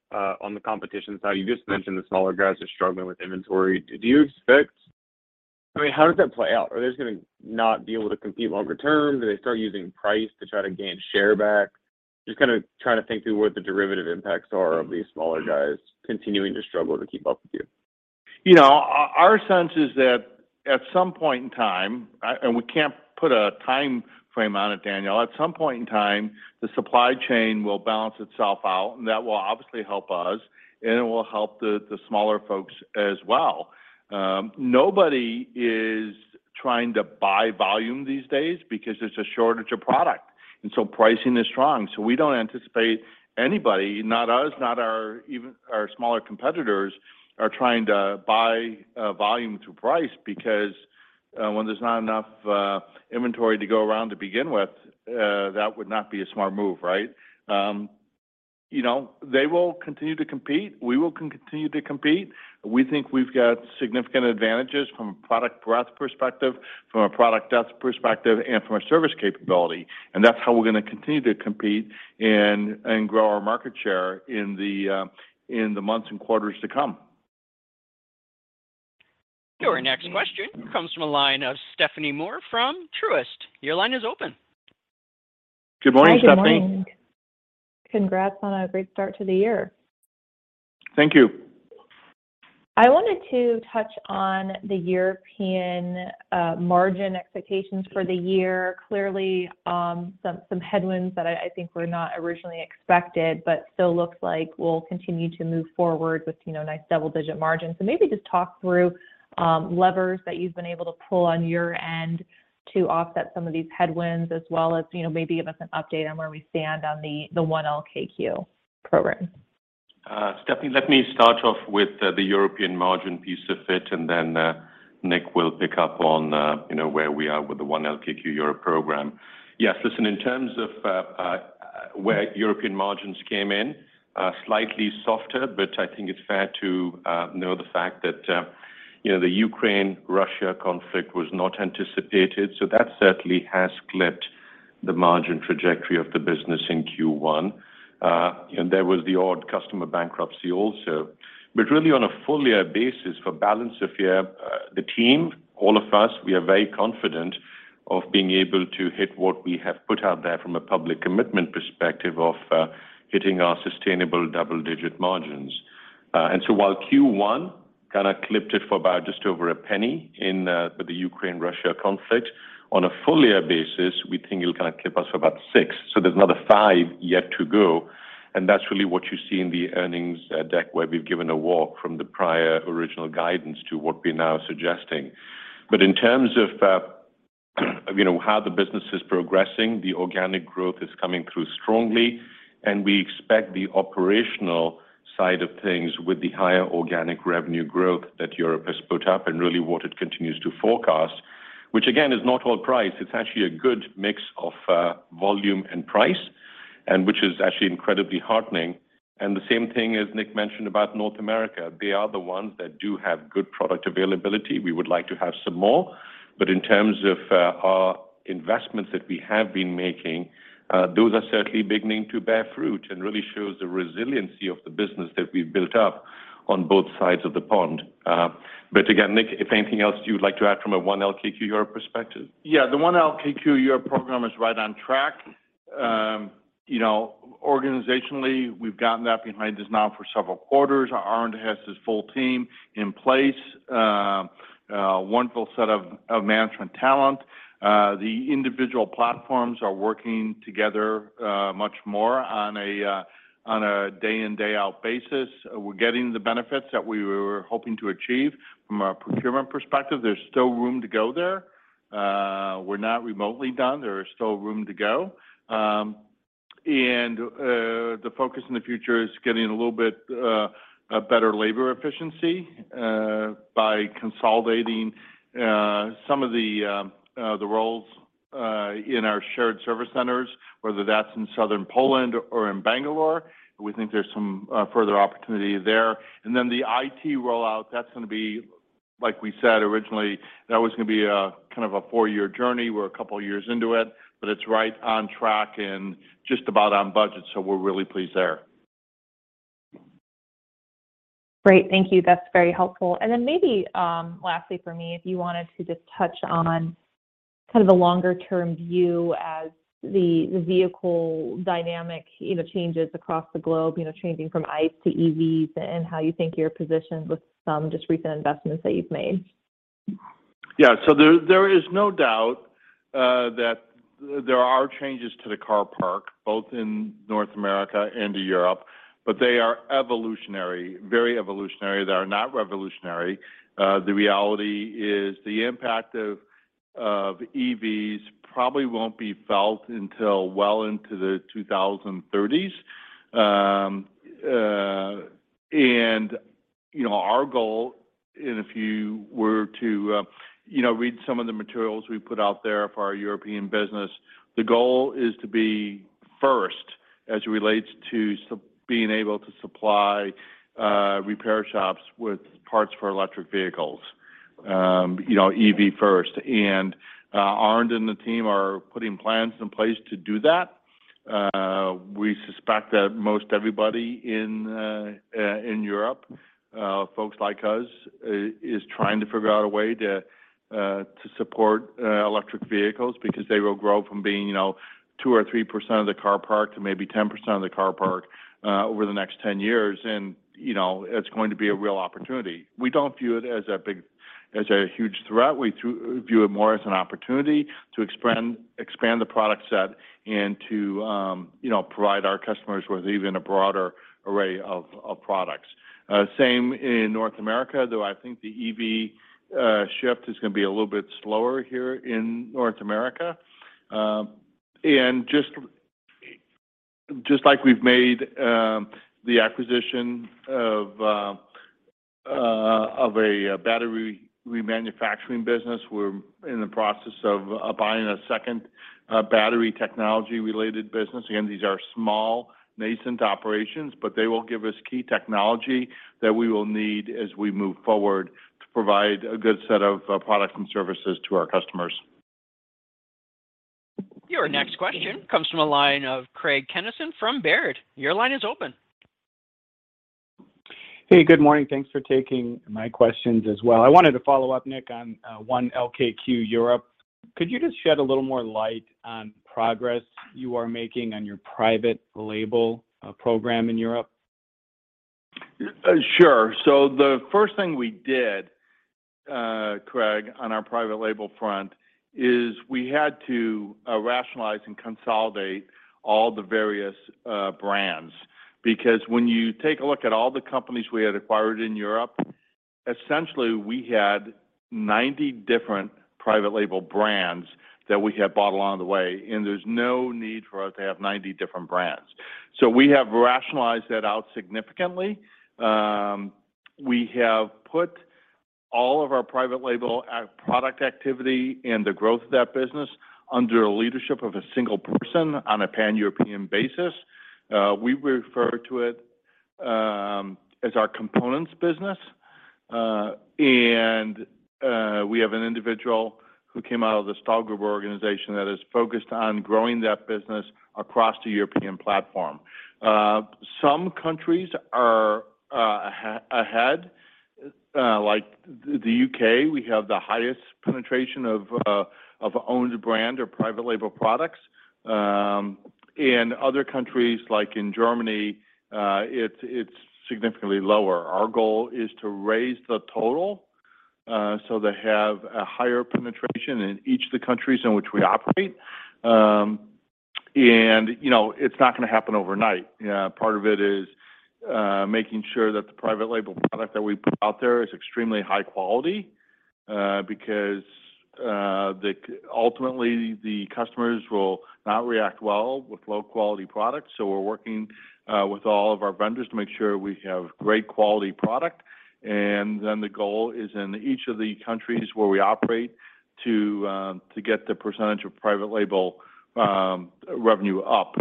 on the competition side. You just mentioned the smaller guys are struggling with inventory. Do you expect? I mean, how does that play out? Are they just gonna not be able to compete longer term? Do they start using price to try to gain share back? Just kind of trying to think through what the derivative impacts are of these smaller guys continuing to struggle to keep up with you. You know, our sense is that at some point in time, and we can't put a time frame on it, Daniel. At some point in time, the supply chain will balance itself out, and that will obviously help us, and it will help the smaller folks as well. Nobody is trying to buy volume these days because there's a shortage of product, and so pricing is strong. We don't anticipate anybody, not us, not our, even our smaller competitors, are trying to buy volume through price because, when there's not enough inventory to go around to begin with, that would not be a smart move, right? You know, they will continue to compete. We will continue to compete. We think we've got significant advantages from a product breadth perspective, from a product depth perspective, and from a service capability, and that's how we're gonna continue to compete and grow our market share in the months and quarters to come. Your next question comes from the line of Stephanie Moore from Truist. Your line is open. Good morning, Stephanie. Hi. Good morning. Congrats on a great start to the year. Thank you. I wanted to touch on the European margin expectations for the year. Clearly, some headwinds that I think were not originally expected but still looks like we'll continue to move forward with, you know, nice double-digit margins. Maybe just talk through levers that you've been able to pull on your end to offset some of these headwinds as well as, you know, maybe give us an update on where we stand on the One LKQ program. Stephanie, let me start off with the European margin piece of it, and then, Nick will pick up on, you know, where we are with the One LKQ Europe program. Yes. Listen, in terms of, where European margins came in, slightly softer, but I think it's fair to, know the fact that, you know, the Ukraine-Russia conflict was not anticipated. That certainly has clipped the margin trajectory of the business in Q1. There was the odd customer bankruptcy also. Really on a full year basis for balance of year, the team, all of us, we are very confident of being able to hit what we have put out there from a public commitment perspective of, hitting our sustainable double-digit margins. While Q1 kinda clipped it for about just over $0.01 with the Ukraine-Russia conflict, on a full year basis, we think it'll kind of clip us for about $0.06. So there's another $0.05 yet to go, and that's really what you see in the earnings deck, where we've given a walk from the prior original guidance to what we're now suggesting. In terms of you know how the business is progressing, the organic growth is coming through strongly, and we expect the operational side of things with the higher organic revenue growth that Europe has put up and really what it continues to forecast, which again is not all price. It's actually a good mix of volume and price, and which is actually incredibly heartening. The same thing as Nick mentioned about North America. They are the ones that do have good product availability. We would like to have some more. In terms of our investments that we have been making, those are certainly beginning to bear fruit and really shows the resiliency of the business that we've built up on both sides of the pond. Again, Nick, if anything else you'd like to add from a One LKQ Europe perspective. Yeah. The One LKQ Europe program is right on track. You know, organizationally, we've gotten that behind us now for several quarters. Arnd has his full team in place. Wonderful set of management talent. The individual platforms are working together much more on a day in, day out basis. We're getting the benefits that we were hoping to achieve from a procurement perspective. There's still room to go there. We're not remotely done. There is still room to go. The focus in the future is getting a little bit better labor efficiency by consolidating some of the roles in our shared service centers, whether that's in southern Poland or in Bangalore. We think there's some further opportunity there. The IT rollout, that's gonna be, like we said originally, that was gonna be a kind of a four-year journey. We're a couple of years into it, but it's right on track and just about on budget, so we're really pleased there. Great. Thank you. That's very helpful. Maybe, lastly for me, if you wanted to just touch on kind of the longer term view as the vehicle dynamics, you know, changes across the globe, you know, changing from ICE to EVs and how you think you're positioned with some just recent investments that you've made. There is no doubt that there are changes to the car park, both in North America and in Europe, but they are evolutionary, very evolutionary. They are not revolutionary. The reality is the impact of EVs probably won't be felt until well into the 2030s. Our goal, and if you were to, you know, read some of the materials we put out there for our European business, the goal is to be first as it relates to being able to supply repair shops with parts for electric vehicles. You know, EV first. Arnd and the team are putting plans in place to do that. We suspect that most everybody in Europe, folks like us, is trying to figure out a way to support electric vehicles because they will grow from being, you know, 2% or 3% of the car parc to maybe 10% of the car parc over the next 10 years. You know, it's going to be a real opportunity. We don't view it as a huge threat. We view it more as an opportunity to expand the product set and to, you know, provide our customers with even a broader array of products. Same in North America, though I think the EV shift is gonna be a little bit slower here in North America. Just like we've made the acquisition of a battery remanufacturing business, we're in the process of buying a second battery technology related business. Again, these are small, nascent operations, but they will give us key technology that we will need as we move forward to provide a good set of products and services to our customers. Your next question comes from the line of Craig Kennison from Baird. Your line is open. Hey, good morning. Thanks for taking my questions as well. I wanted to follow up, Nick, on One LKQ Europe. Could you just shed a little more light on progress you are making on your private label program in Europe? Sure. The first thing we did, Craig, on our private label front is we had to rationalize and consolidate all the various brands because when you take a look at all the companies we had acquired in Europe. Essentially, we had 90 different private label brands that we had bought along the way, and there's no need for us to have 90 different brands. We have rationalized that out significantly. We have put all of our private label product activity and the growth of that business under the leadership of a single person on a pan-European basis. We refer to it as our components business. We have an individual who came out of the Stahlgruber organization that is focused on growing that business across the European platform. Some countries are ahead, like the UK, we have the highest penetration of owned brand or private label products. In other countries, like in Germany, it's significantly lower. Our goal is to raise the total, so they have a higher penetration in each of the countries in which we operate. You know, it's not gonna happen overnight. Part of it is making sure that the private label product that we put out there is extremely high quality, because ultimately, the customers will not react well with low-quality products. We're working with all of our vendors to make sure we have great quality product. Then the goal is in each of the countries where we operate to get the percentage of private label revenue up.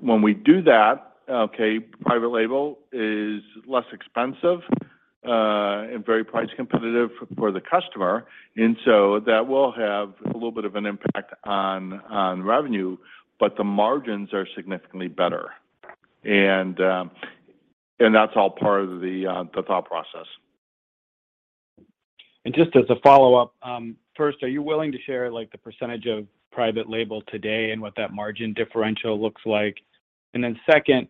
When we do that, okay, private label is less expensive, and very price competitive for the customer. That will have a little bit of an impact on revenue, but the margins are significantly better. That's all part of the thought process. Just as a follow-up, first, are you willing to share, like, the percentage of private label today and what that margin differential looks like? Second,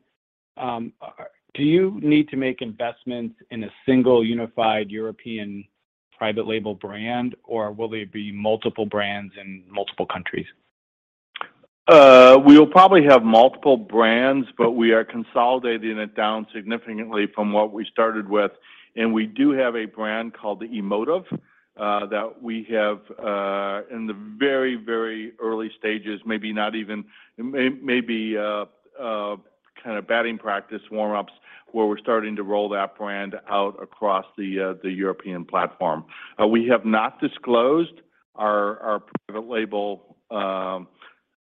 do you need to make investments in a single unified European private label brand, or will they be multiple brands in multiple countries? We'll probably have multiple brands, but we are consolidating it down significantly from what we started with. We do have a brand called the Emotive that we have in the very early stages, maybe kind of batting practice warm-ups, where we're starting to roll that brand out across the European platform. We have not disclosed our private label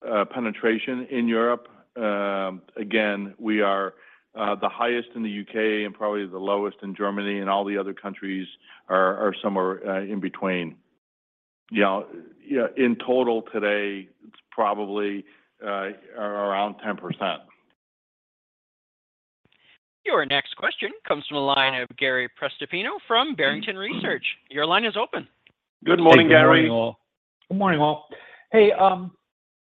penetration in Europe. Again, we are the highest in the U.K. and probably the lowest in Germany, and all the other countries are somewhere in between. You know, yeah, in total today, it's probably around 10%. Your next question comes from the line of Gary Prestopino from Barrington Research. Your line is open. Good morning, Gary. Good morning, all. Good morning, all. Hey,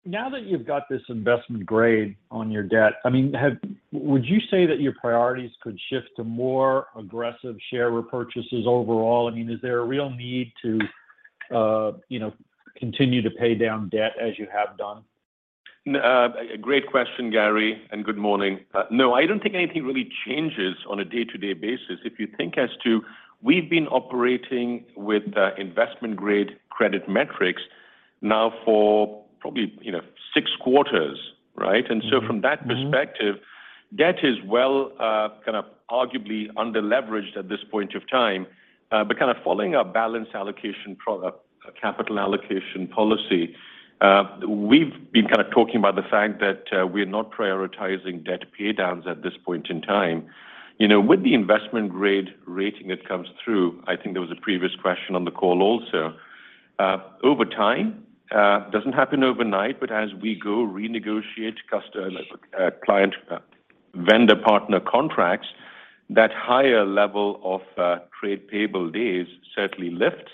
now that you've got this investment grade on your debt, I mean, would you say that your priorities could shift to more aggressive share repurchases overall? I mean, is there a real need to, you know, continue to pay down debt as you have done? Great question, Gary, and good morning. No, I don't think anything really changes on a day-to-day basis. If you think as to we've been operating with investment-grade credit metrics now for probably, you know, six quarters, right? From that perspective, debt is well kind of arguably underleveraged at this point of time. Kind of following our capital allocation policy, we've been kind of talking about the fact that we're not prioritizing debt pay downs at this point in time. You know, with the investment grade rating that comes through, I think there was a previous question on the call also, over time, doesn't happen overnight, but as we go renegotiate customer, client, vendor partner contracts, that higher level of trade payable days certainly lifts,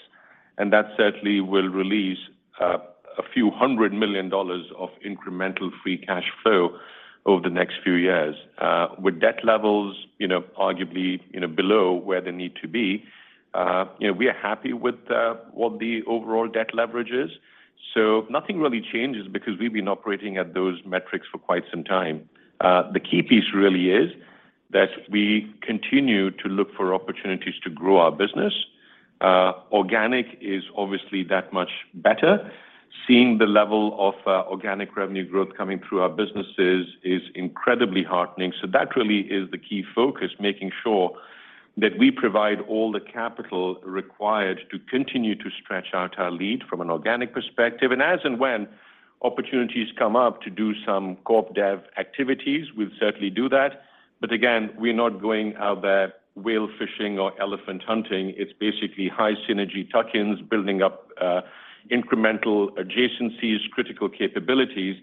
and that certainly will release a few hundred million dollars of incremental free cash flow over the next few years. With debt levels, you know, arguably, you know, below where they need to be, you know, we are happy with what the overall debt leverage is. Nothing really changes because we've been operating at those metrics for quite some time. The key piece really is that we continue to look for opportunities to grow our business. Organic is obviously that much better. Seeing the level of organic revenue growth coming through our businesses is incredibly heartening. That really is the key focus, making sure that we provide all the capital required to continue to stretch out our lead from an organic perspective. As and when opportunities come up to do some corp dev activities, we'll certainly do that. Again, we're not going out there whale fishing or elephant hunting. It's basically high synergy tuck-ins, building up incremental adjacencies, critical capabilities.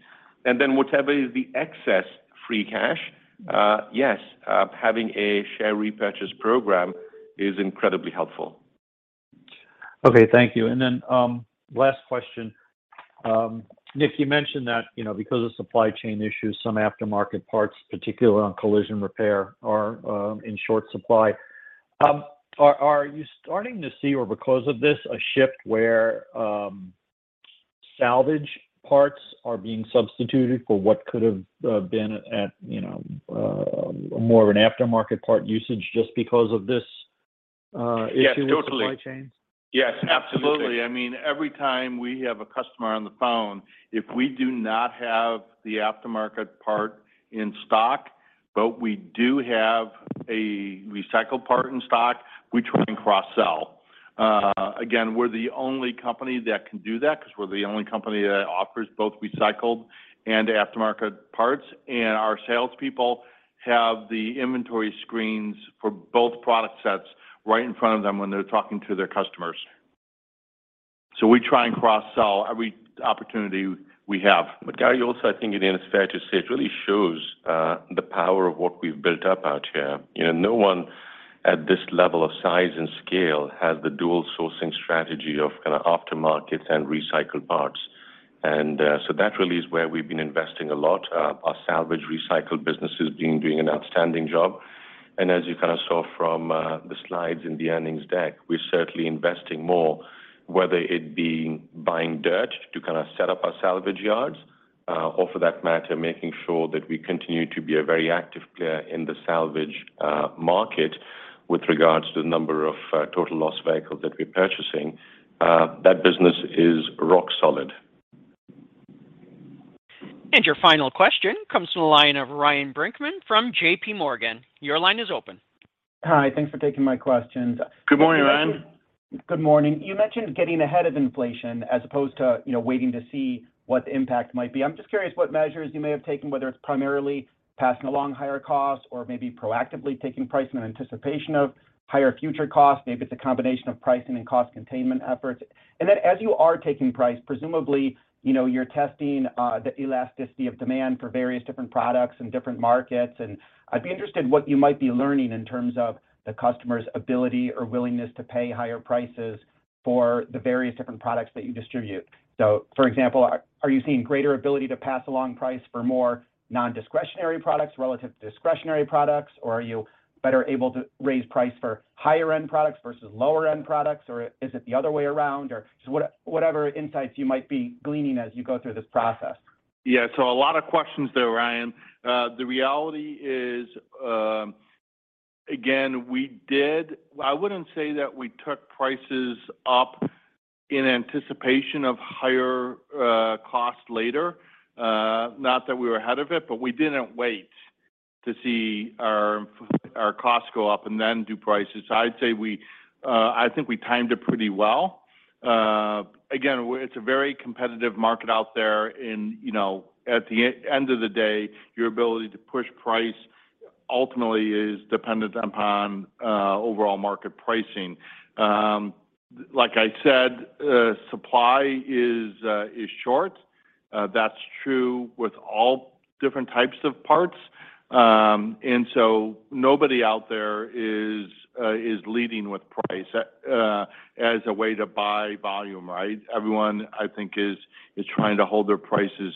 Then whatever is the excess free cash, yes, having a share repurchase program is incredibly helpful. Okay. Thank you. Last question. Nick, you mentioned that, you know, because of supply chain issues, some aftermarket parts, particularly on collision repair, are in short supply. Are you starting to see, or because of this, a shift where salvage parts are being substituted for what could have been a, you know, more of an aftermarket part usage just because of this issue with supply chains? Yes, totally. Yes, absolutely. I mean, every time we have a customer on the phone, if we do not have the aftermarket part in stock, but we do have a recycled part in stock, we try and cross-sell. Again, we're the only company that can do that because we're the only company that offers both recycled and aftermarket parts. Our salespeople have the inventory screens for both product sets right in front of them when they're talking to their customers. We try and cross-sell every opportunity we have. Gary, also, I think it is fair to say it really shows the power of what we've built up out here. You know, no one at this level of size and scale has the dual sourcing strategy of kinda aftermarkets and recycled parts. That really is where we've been investing a lot. Our salvage recycled business has been doing an outstanding job. As you kind of saw from the slides in the earnings deck, we're certainly investing more, whether it be buying dirt to kind of set up our salvage yards, or for that matter, making sure that we continue to be a very active player in the salvage market with regards to the number of total loss vehicles that we're purchasing. That business is rock solid. Your final question comes from the line of Ryan Brinkman from JPMorgan. Your line is open. Hi, thanks for taking my questions. Good morning, Ryan. Good morning. You mentioned getting ahead of inflation as opposed to, you know, waiting to see what the impact might be. I'm just curious what measures you may have taken, whether it's primarily passing along higher costs or maybe proactively taking price in anticipation of higher future costs. Maybe it's a combination of pricing and cost containment efforts. As you are taking price, presumably, you know, you're testing the elasticity of demand for various different products in different markets. I'd be interested what you might be learning in terms of the customer's ability or willingness to pay higher prices for the various different products that you distribute. For example, are you seeing greater ability to pass along price for more non-discretionary products relative to discretionary products? Are you better able to raise price for higher end products versus lower end products? Is it the other way around? Or just whatever insights you might be gleaning as you go through this process. Yeah. A lot of questions there, Ryan. The reality is, again, I wouldn't say that we took prices up in anticipation of higher cost later. Not that we were ahead of it, but we didn't wait to see our costs go up and then do prices. I'd say we, I think we timed it pretty well. Again, it's a very competitive market out there and, you know, at the end of the day, your ability to push price ultimately is dependent upon overall market pricing. Like I said, supply is short. That's true with all different types of parts. Nobody out there is leading with price as a way to buy volume, right? Everyone, I think, is trying to hold their prices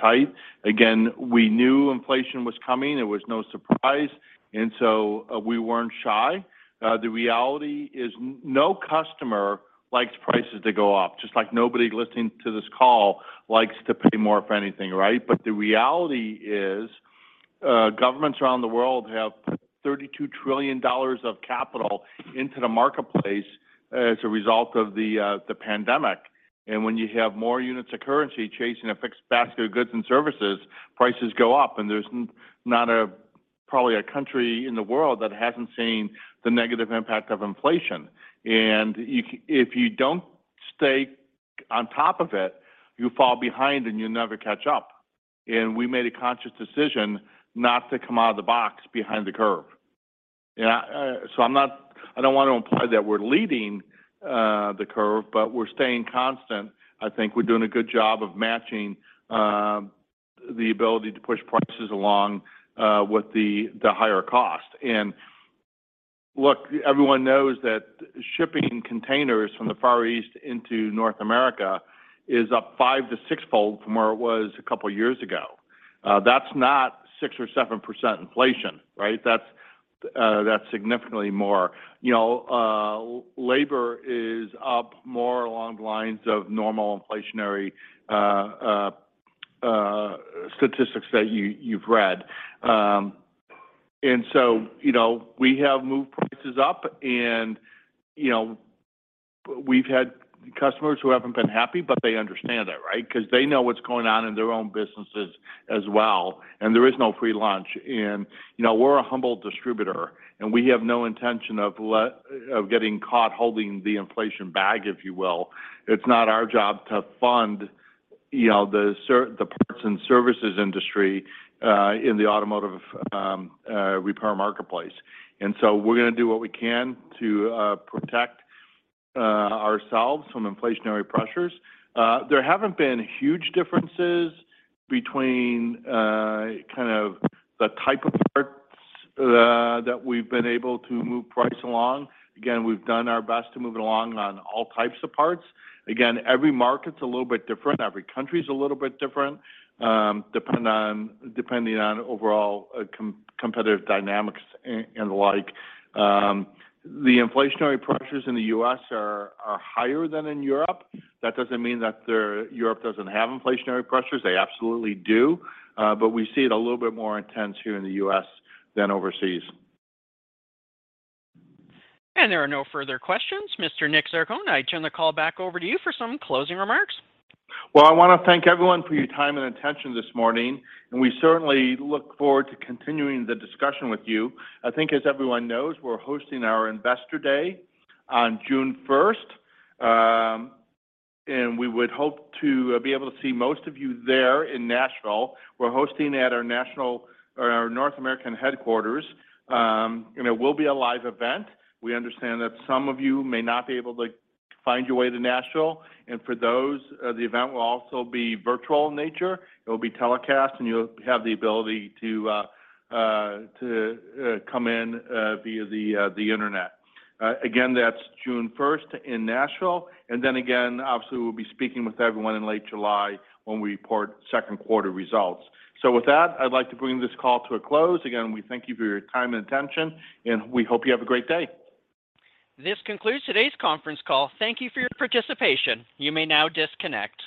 tight. Again, we knew inflation was coming. It was no surprise. And so we weren't shy. The reality is no customer likes prices to go up, just like nobody listening to this call likes to pay more for anything, right? But the reality is, governments around the world have put $32 trillion of capital into the marketplace as a result of the pandemic. When you have more units of currency chasing a fixed basket of goods and services, prices go up. There's probably not a country in the world that hasn't seen the negative impact of inflation. If you don't stay on top of it, you fall behind, and you never catch up. We made a conscious decision not to come out of the box behind the curve. I don't want to imply that we're leading the curve, but we're staying constant. I think we're doing a good job of matching the ability to push prices along with the higher cost. Look, everyone knows that shipping containers from the Far East into North America is up five-sixfold from where it was a couple of years ago. That's not 6% or 7% inflation, right? That's significantly more. You know, labor is up more along the lines of normal inflationary statistics that you've read. You know, we have moved prices up and, you know, we've had customers who haven't been happy, but they understand it, right? Because they know what's going on in their own businesses as well. There is no free lunch. You know, we're a humble distributor, and we have no intention of getting caught holding the inflation bag, if you will. It's not our job to fund, you know, the parts and services industry in the automotive repair marketplace. We're gonna do what we can to protect ourselves from inflationary pressures. There haven't been huge differences between kind of the type of parts that we've been able to move price along. Again, we've done our best to move it along on all types of parts. Again, every market's a little bit different, every country's a little bit different, depending on overall competitive dynamics and the like. The inflationary pressures in the U.S. are higher than in Europe. That doesn't mean that Europe doesn't have inflationary pressures. They absolutely do. We see it a little bit more intense here in the U.S. than overseas. There are no further questions. Mr. Nick Zarcone, I turn the call back over to you for some closing remarks. Well, I wanna thank everyone for your time and attention this morning, and we certainly look forward to continuing the discussion with you. I think as everyone knows, we're hosting our Investor Day on June first. We would hope to be able to see most of you there in Nashville. We're hosting at our North American headquarters. It will be a live event. We understand that some of you may not be able to find your way to Nashville. For those, the event will also be virtual in nature. It will be telecast, and you'll have the ability to come in via the internet. Again, that's June first in Nashville. Then again, obviously, we'll be speaking with everyone in late July when we report second quarter results. With that, I'd like to bring this call to a close. Again, we thank you for your time and attention, and we hope you have a great day. This concludes today's conference call. Thank you for your participation. You may now disconnect.